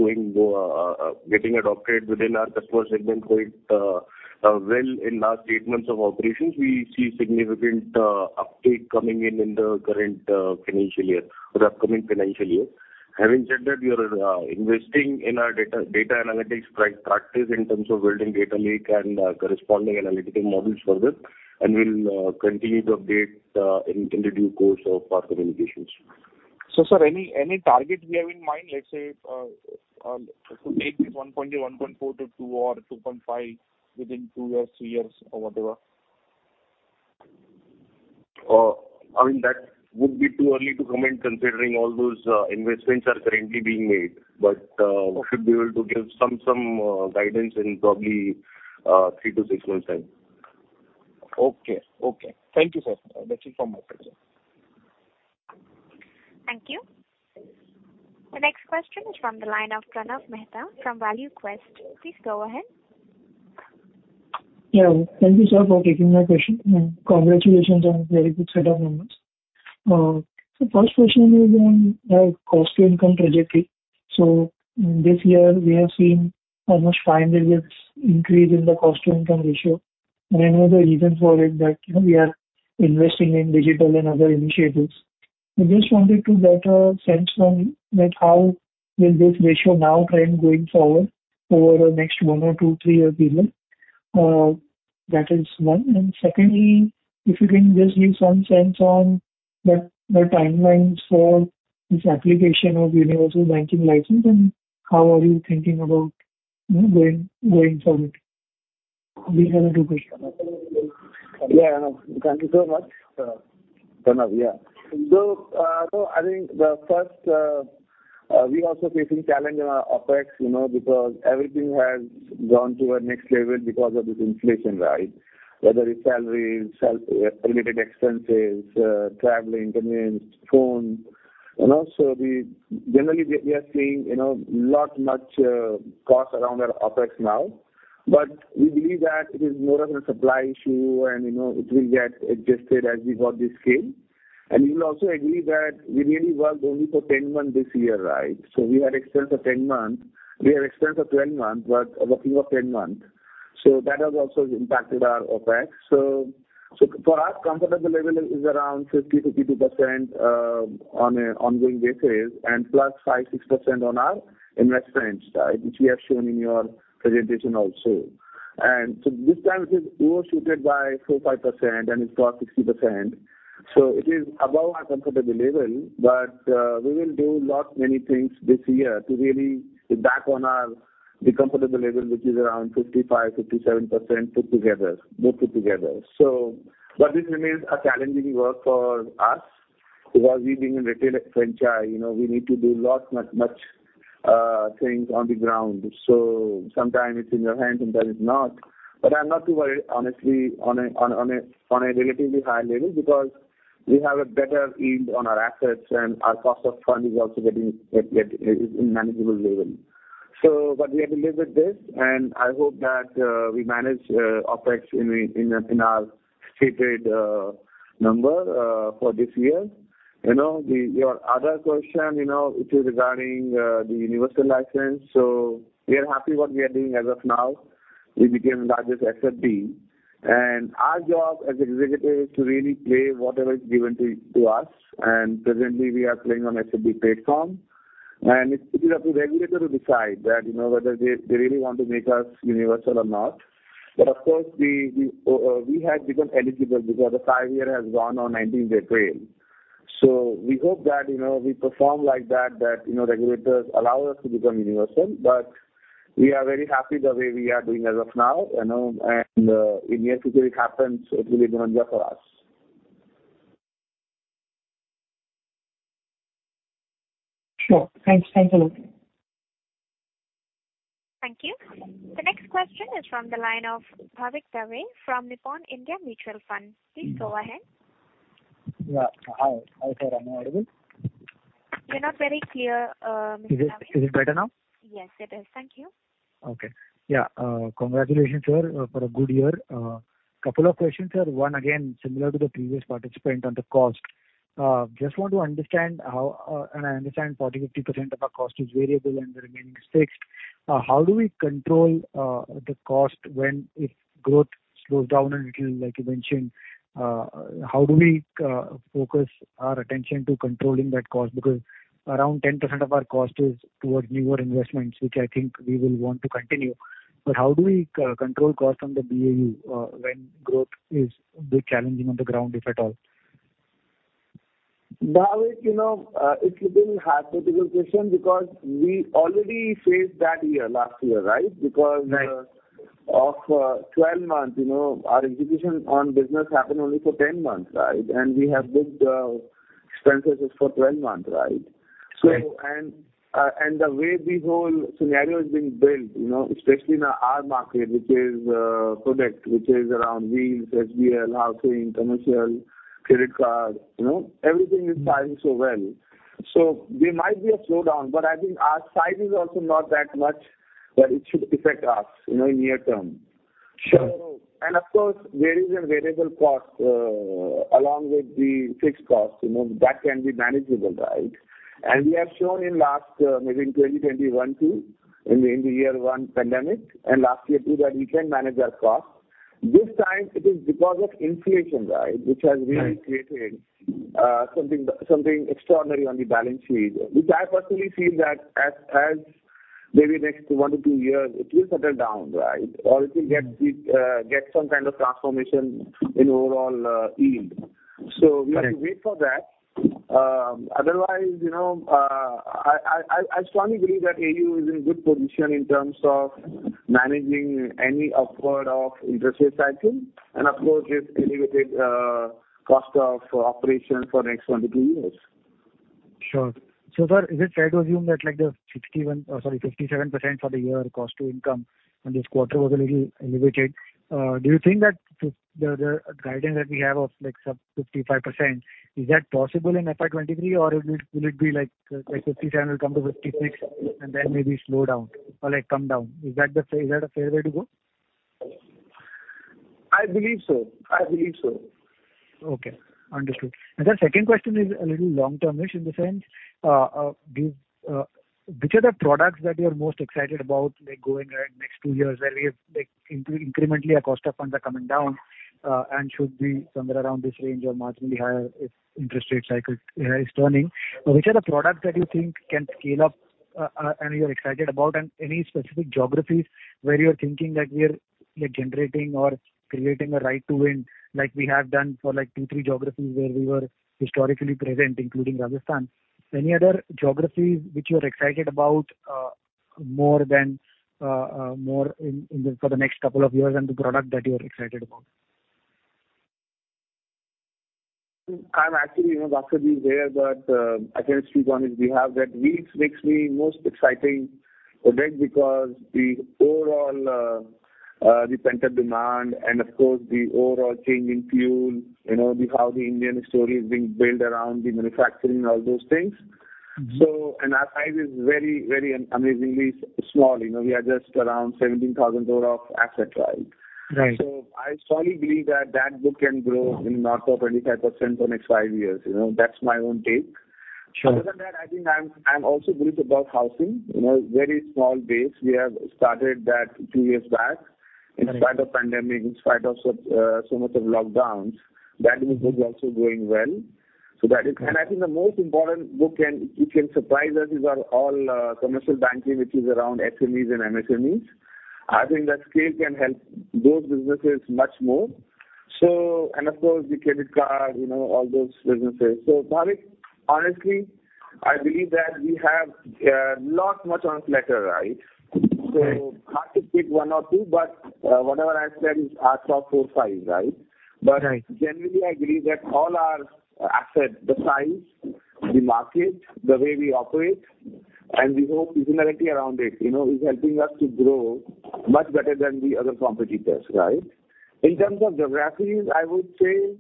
getting adopted within our customer segment, in the last eight months of operations, we see significant uptake coming in the current financial year or the upcoming financial year. Having said that, we are investing in our data analytics practice in terms of building data lake and corresponding analytical models for this, and we'll continue to update in due course of further indications. Sir, any target we have in mind, let's say, to take this 1.8, 1.4 to 2 or 2.5 within two-three years or whatever? I mean, that would be too early to comment considering all those investments are currently being made. Okay. We should be able to give some guidance in probably three-six months time. Okay. Thank you, sir. That's it from my side, sir. Thank you. The next question is from the line of Pranav Mehta from ValueQuest. Please go ahead. Yeah. Thank you, sir, for taking my question. Congratulations on very good set of numbers. First question is on our cost to income trajectory. This year we have seen almost five digits increase in the cost to income ratio. I know the reason for it, that, you know, we are investing in digital and other initiatives. I just wanted to get a sense from that how will this ratio now trend going forward over the next one or two, three-year period. That is one. Secondly, if you can just give some sense on the timelines for this application of universal banking license, and how are you thinking about, you know, going forward? These are the two questions. Yeah. Thank you so much, Pranav. Yeah. I think we are also facing challenge in our OpEx, you know, because everything has gone to a next level because of this inflation, right? Whether it's salary, staff-related expenses, traveling, conveyance, phone. You know, so we generally are seeing, you know, a lot more cost around our OpEx now. But we believe that it is more of a supply issue and, you know, it will get adjusted as we grow this scale. You will also agree that we really worked only for 10 months this year, right? We had expense of 10 months. We have expense of 12 months, but working of 10 months. That has also impacted our OpEx. For us, comfortable level is around 50%-52% on an ongoing basis, and +5%-6% on our investment side, which we have shown in your presentation also. This time it's overshot by 4%-5% and it's got 60%. It is above our comfortable level. We will do many things this year to really be back on our comfortable level, which is around 55%-57% put together. Both put together. This remains a challenging work for us because we being a retail franchise, you know, we need to do lots, much things on the ground. Sometimes it's in your hands, sometimes it's not. I'm not too worried honestly, on a relatively high level because we have a better yield on our assets and our cost of fund is also in manageable level. We have to live with this and I hope that we manage OpEx in our stated number for this year. You know, your other question, you know, which is regarding the universal license. We are happy what we are doing as of now. We became largest SFB. Our job as a executive is to really play whatever is given to us. Presently we are playing on SFB platform, and it's completely up to regulator to decide that, you know, whether they really want to make us universal or not. Of course, we have become eligible because the five-year has gone on April 19th. We hope that, you know, we perform like that, you know, regulators allow us to become universal. We are very happy the way we are doing as of now, you know, and in year two it happens, it will be bonanza for us. Sure. Thanks. Thanks a lot. Thank you. The next question is from the line of Bhavik Dave from Nippon India Mutual Fund. Please go ahead. Yeah. Hi. Hi, sir. Am I audible? You're not very clear, Mr. Dave. Is it better now? Yes, it is. Thank you. Okay. Yeah. Congratulations, sir, for a good year. Couple of questions, sir. One again, similar to the previous participant on the cost. Just want to understand how, and I understand 40%-50% of our cost is variable and the remaining is fixed. How do we control the cost when, if growth slows down a little, like you mentioned, how do we focus our attention to controlling that cost? Because around 10% of our cost is towards newer investments, which I think we will want to continue. But how do we control cost on the BAU, when growth is a bit challenging on the ground, if at all? Bhavik, you know, it's a bit hypothetical question because we already faced that year, last year, right? Right. Of 12 months, you know, our execution on business happened only for 10 months, right? We have booked expenses for 12 months, right? Right. The way the whole scenario is being built, you know, especially in our market, which is product, which is around Wheels, HBL, Housing, Commercial, Credit Card, you know, everything is firing so well. There might be a slowdown, but I think our size is also not that much that it should affect us, you know, in near term. Sure. Of course there is a variable cost along with the fixed cost, you know, that can be manageable, right? We have shown in last, maybe in 2021 too, in the year one pandemic and last year too, that we can manage our cost. This time it is because of inflation, right, which has really Right. Created something something extraordinary on the balance sheet. Which I personally feel that as maybe next one-two years it will settle down, right? Or it will get some kind of transformation in overall yield. Right. We have to wait for that. Otherwise, you know, I strongly believe that AU is in good position in terms of managing any upward of interest rate cycle. Of course with elevated cost of operation for next one-two years. Sure. Sir, is it fair to assume that like the 57% for the year cost to income and this quarter was a little elevated, do you think that the guidance that we have of like some 55%, is that possible in FY 2023 or will it be like 57% will come to 56% and then maybe slow down or like come down? Is that a fair way to go? I believe so. Okay, understood. The second question is a little long-term-ish in the sense. Which are the products that you're most excited about, like next two years where we have, like, incrementally our cost of funds are coming down, and should be somewhere around this range or marginally higher if interest rate cycle is turning. Which are the products that you think can scale up and you're excited about, and any specific geographies where you're thinking that we are, like, generating or creating a right to win, like we have done for like two, three geographies where we were historically present, including Rajasthan? Any other geographies which you're excited about more in the next couple of years and the product that you're excited about? I'm actually, you know, Bhavik. I can honestly one is we have that Wheels makes me most exciting event because the overall pent-up demand and of course the overall change in fuel, you know, the how the Indian story is being built around the manufacturing and all those things. Mm-hmm. Our size is very, very amazingly small. You know, we are just around 17,000 total of asset, right? Right. I strongly believe that book can grow in north of 25% for next five years. You know, that's my own take. Sure. Other than that, I think I'm also bullish about Housing. You know, very small base. We have started that two years back. In spite of pandemic, in spite of so much of lockdowns, that business is also doing well. That is- Right. I think the most important thing that can surprise us is our overall commercial banking, which is around SMEs and MSMEs. I think that scale can help those businesses much more. And, of course, the Credit Card, you know, all those businesses. Bhavik, honestly, I believe that we have a lot more on our plate, right? Right. Hard to pick one or two, but whatever I've said is our top four, five, right? Right. Generally I believe that all our asset, the size, the market, the way we operate, and the whole originality around it, you know, is helping us to grow much better than the other competitors, right? In terms of geographies, I would say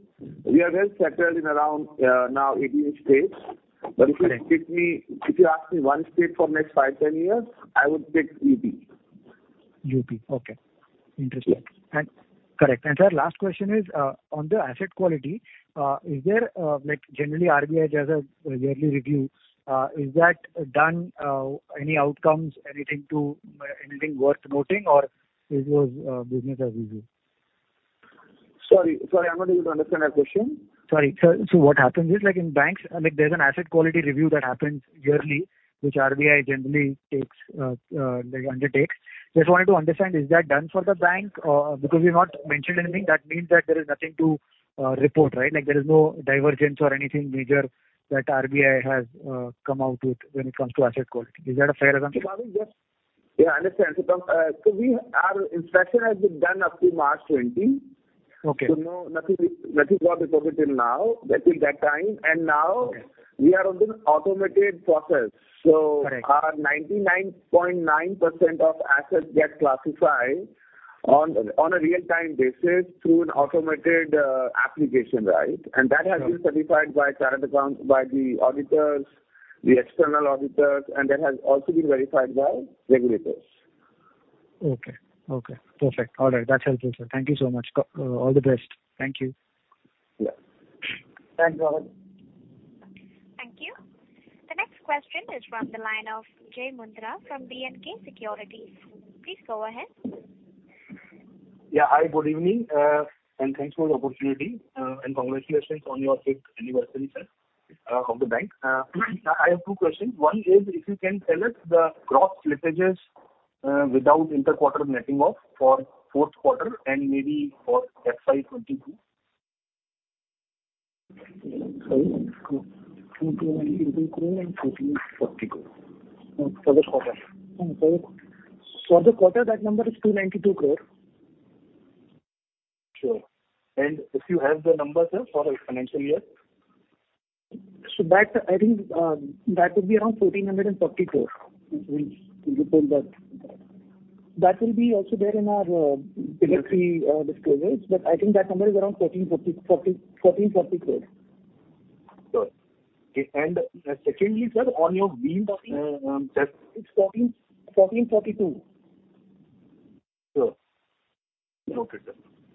we are well settled in around now 18 states. Right. If you ask me one state for next five, 10 years, I would pick UP. UP. Okay. Interesting. Yeah. Correct. Sir, last question is on the asset quality. Is there, like, generally RBI does a yearly review? Is that done, any outcomes, anything to anything worth noting or it was business as usual? Sorry, I'm not able to understand your question. Sorry. What happens is like in banks, I mean, there's an asset quality review that happens yearly, which RBI generally takes, like undertakes. Just wanted to understand is that done for the bank? Because you've not mentioned anything, that means that there is nothing to report, right? Like there is no divergence or anything major that RBI has come out with when it comes to asset quality. Is that a fair assumption? Bhavik, yes. Yeah, I understand. Our inspection has been done up to March 2020. Okay. No, nothing got reported till now, till that time. Now. Yes. We are on the automated process. Correct. Our 99.9% of assets get classified on a real-time basis through an automated application, right? Sure. That has been certified by current account by the auditors, the external auditors, and that has also been verified by regulators. Okay. Perfect. All right. That's helpful, sir. Thank you so much. All the best. Thank you. Yeah. Thanks, Bhavik. Thank you. The next question is from the line of Jai Mundhra from B&K Securities. Please go ahead. Yeah. Hi, good evening. Thanks for the opportunity. Congratulations on your fifth anniversary, sir, of the bank. I have two questions. One is if you can tell us the gross slippages, without inter-quarter netting off for fourth quarter and maybe for FY 2022. Sorry. INR 222 crore and INR 1,440 crore. For the quarter. For the quarter, that number is 292 crore. Sure. If you have the numbers, sir, for a financial year? I think that would be around 1,440 crore, which we'll report that. That will also be there in our regulatory disclosures, but I think that number is around INR 1,440 crore. Sure. Okay. Secondly, sir, on your Wheels topic. Sure. Noted,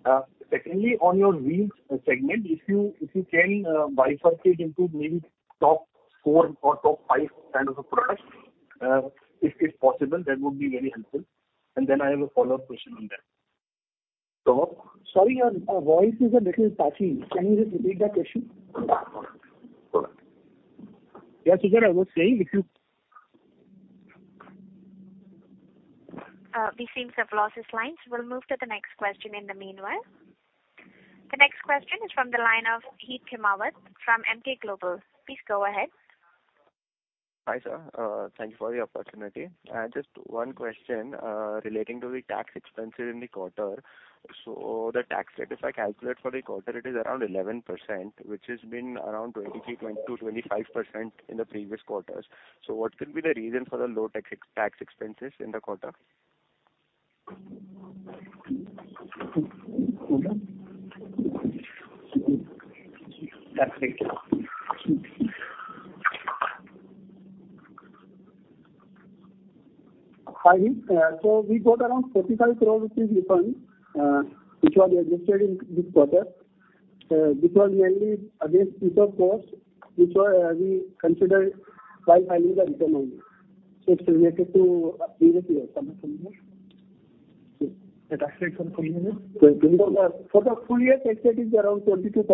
sir. Secondly, on your Wheels segment, if you can bifurcate into maybe top four or top five kind of a product, if possible, that would be very helpful. I have a follow-up question on that. Top- Sorry, your voice is a little patchy. Can you just repeat that question? Sure. Yeah, sir, I was saying if you- We seem to have lost his lines. We'll move to the next question in the meanwhile. The next question is from the line of Heet Khimawat from Emkay Global. Please go ahead. Hi, sir. Thank you for the opportunity. Just one question relating to the tax expenses in the quarter. The tax rate, if I calculate for the quarter, is around 11%, which has been around 23%, 20%-25% in the previous quarters. What could be the reason for the low tax expenses in the quarter? Okay. Tax rate. Hi. We got around 45 crore rupees refund, which was adjusted in this quarter. This was mainly against interest cost, which we consider while filing the return only. It's related to previous year. The tax rate for the full year? For the full year, tax rate is around 22%.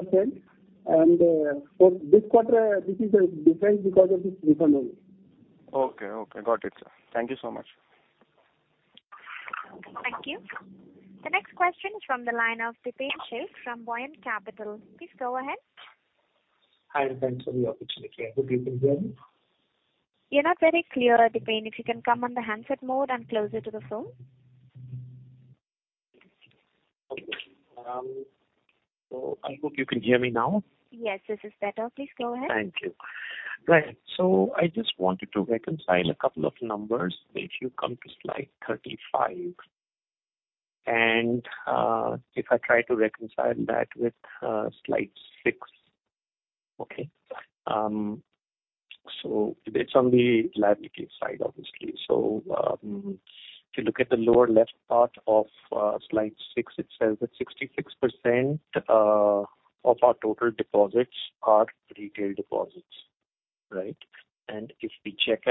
For this quarter, this is different because of this refund only. Okay. Okay. Got it, sir. Thank you so much. Thank you. The next question is from the line of Dipen Sheth from Buoyant Capital. Please go ahead. Hi, thanks for the opportunity. I hope you can hear me. You're not very clear, Dipen. If you can come on the handset mode and closer to the phone. Okay. I hope you can hear me now. Yes, this is better. Please go ahead. Thank you. Right. I just wanted to reconcile a couple of numbers if you come to slide 35. If I try to reconcile that with slide six. Okay. It's on the liability side, obviously. If you look at the lower left part of slide six, it says that 66% of our total deposits are retail deposits, right? If we check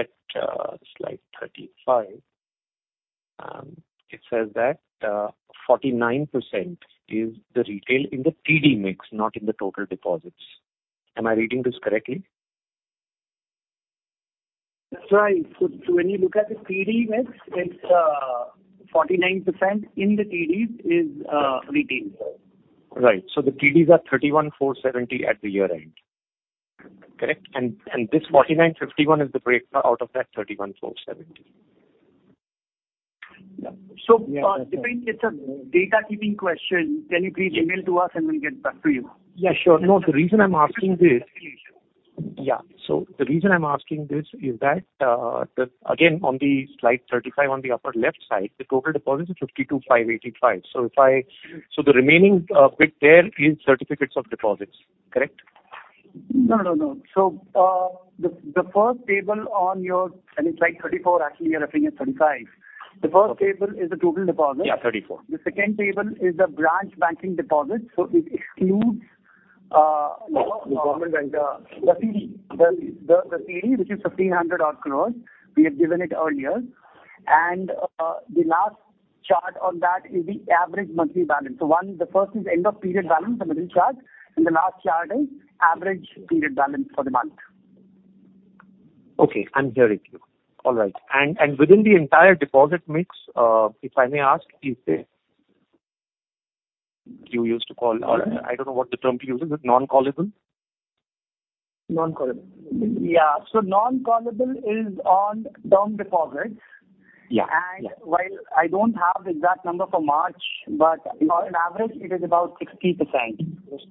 slide 35, it says that 49% is the retail in the TD mix, not in the total deposits. Am I reading this correctly? That's right. When you look at the TD mix, it's 49% retail in the TDs. Right. The TDs are 31,470 at the year-end. Correct? And this 49%-51% is the break-up of that 31,470. Yeah. Dipen, it's a data-keeping question. Can you please email to us, and we'll get back to you? Yeah, sure. The reason I'm asking this is that, again, on slide 35 on the upper left side, the total deposits is 52,585. The remaining bit there is certificates of deposit, correct? No, no. The first table on your and it's slide 34, actually, you're referring at 35. Okay. The first table is the total deposit. Yeah, 34. The second table is the branch banking deposit, so it excludes. The government bank. The CD, which is 1,500 odd crores. We have given it earlier. The last chart on that is the average monthly balance. The first is end of period balance, the middle chart, and the last chart is average period balance for the month. Okay, I'm hearing you. All right. Within the entire deposit mix, if I may ask, is the you used to call or I don't know what the term you use it, non-callable? Non-callable. Yeah. Non-callable is on term deposits. Yeah. Yeah. While I don't have the exact number for March, but on average it is about 60%. Don't you have data for it? On average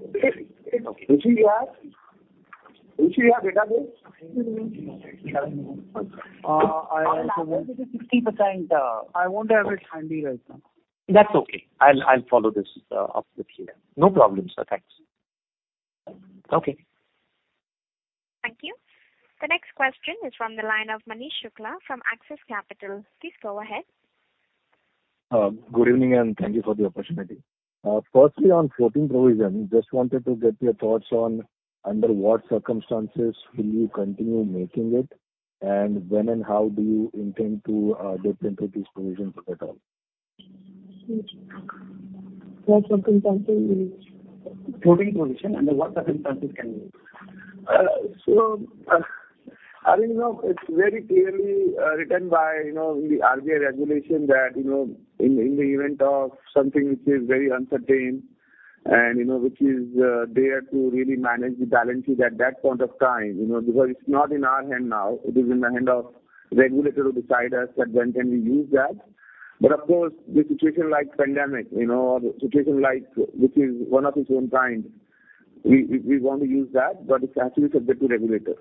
it is 60%. I won't have it handy right now. That's okay. I'll follow this up with you then. No problem, sir. Thanks. Okay. Thank you. The next question is from the line of Manish Shukla from Axis Capital. Please go ahead. Good evening, and thank you for the opportunity. Firstly, on floating provision, just wanted to get your thoughts on under what circumstances will you continue making it, and when and how do you intend to dip into these provisions if at all? What circumstances will we use? Floating provision, under what circumstances can you use? I mean, you know, it's very clearly written, you know, in the RBI regulation that, you know, in the event of something which is very uncertain and, you know, which is there to really manage the balances at that point of time, you know, because it's not in our hand now. It is in the hand of regulator to decide us that when can we use that. Of course, the situation like pandemic, you know, or the situation like, which is one of its own kind, we want to use that, but it's actually subject to regulators.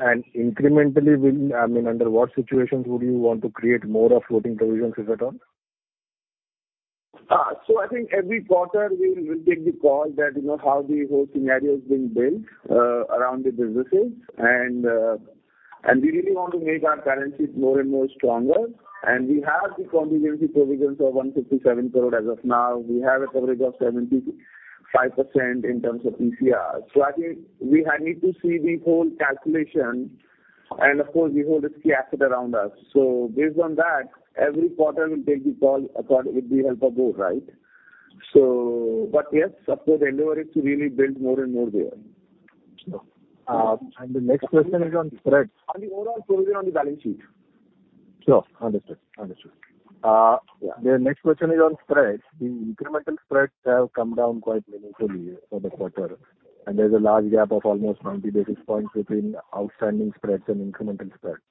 I mean, under what situations would you want to create more of floating provisions, if at all? I think every quarter we will take the call that, you know, how the whole scenario is being built around the businesses. We really want to make our balances more and more stronger. We have the contingency provisions of 157 crore as of now. We have a coverage of 75% in terms of PCR. I think we need to see the whole calculation and of course the whole risk asset around us. Based on that, every quarter we'll take the call according with the help of board, right? But yes, of course, the endeavor is to really build more and more there. The next question is on spreads. On the overall provision on the balance sheet. Sure. Understood. The next question is on spreads. The incremental spreads have come down quite meaningfully for the quarter, and there's a large gap of almost 90 basis points between outstanding spreads and incremental spreads.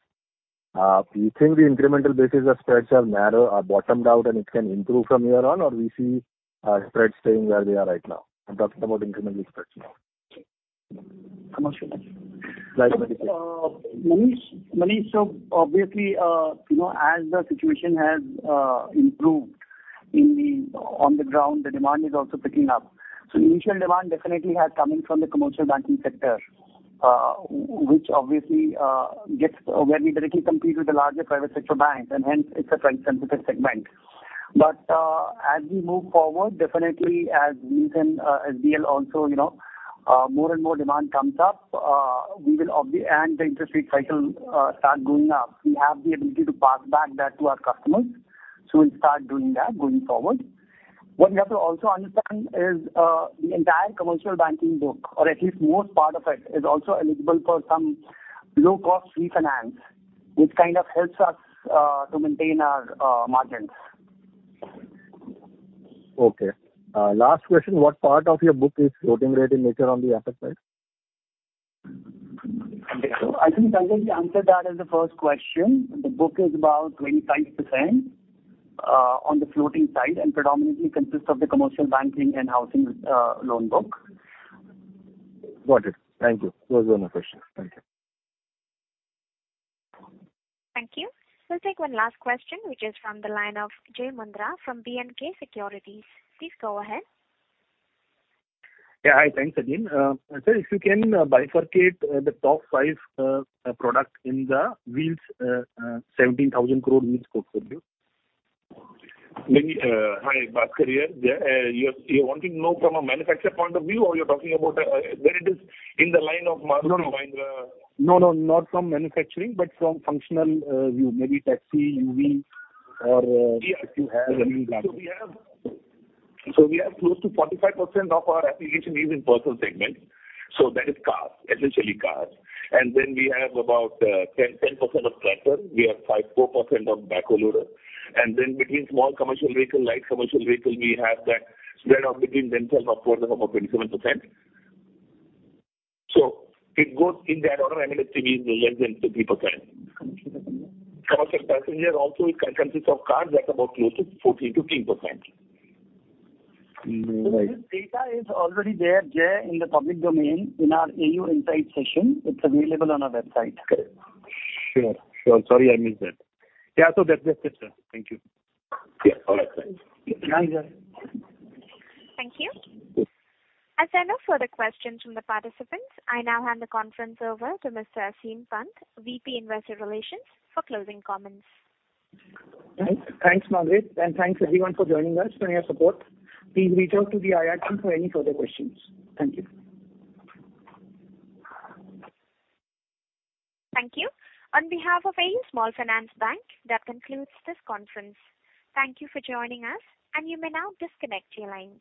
Do you think the incremental spreads have narrowed or bottomed out, and it can improve from here on, or we see spreads staying where they are right now? I'm talking about incremental spreads now. Manish, obviously, you know, as the situation has improved in the on-ground, the demand is also picking up. The initial demand definitely has been coming from the commercial banking sector, which obviously is where we directly compete with the larger private sector banks and hence it's a price-sensitive segment. As we move forward, definitely as well, you know, more and more demand comes up, and the interest rate cycle starts going up. We have the ability to pass on that to our customers, so we'll start doing that going forward. What we also have to understand is the entire commercial banking book, or at least most part of it, is also eligible for some low-cost refinance, which kind of helps us to maintain our margins. Okay. Last question. What part of your book is floating rate in nature on the asset side? I think Sanjay answered that as the first question. The book is about 25% on the floating side and predominantly consists of the commercial banking and housing loan book. Got it. Thank you. Those were my questions. Thank you. Thank you. We'll take one last question, which is from the line of Jai Mundhra from B&K Securities. Please go ahead. Hi. Thanks again. Sir, if you can bifurcate the top five product in the Wheels 17,000 crore Wheels portfolio. Maybe, hi, Bhaskar here. Yeah, you're wanting to know from a manufacturer point of view or you're talking about where it is in the line of Maruti or Mahindra? No, no. Not from manufacturing, but from functional view. Maybe taxi, UV or, if you have any data. We have close to 45% of our application is in personal segment. That is cars, essentially cars. We have about 10% of tractor. We have 4% of backhoe loader. Between small commercial vehicle, light commercial vehicle, we have that spread out between them in terms of close to about 27%. It goes in that order. I mean, it's really less than 50%. Okay. Commercial passenger also consists of cars. That's about close to 10%-14%. Right. This data is already there, Jai, in the public domain in our AU Insights section. It's available on our website. Sure. Sorry, I missed that. Yeah. That's it, sir. Thank you. Yeah. All right, sir. Thank you. As there are no further questions from the participants, I now hand the conference over to Mr. Aseem Pant, VP Investor Relations, for closing comments. Thanks. Thanks, Margaret, and thanks everyone for joining us and your support. Please reach out to the IR team for any further questions. Thank you. Thank you. On behalf of AU Small Finance Bank, that concludes this conference. Thank you for joining us, and you may now disconnect your lines.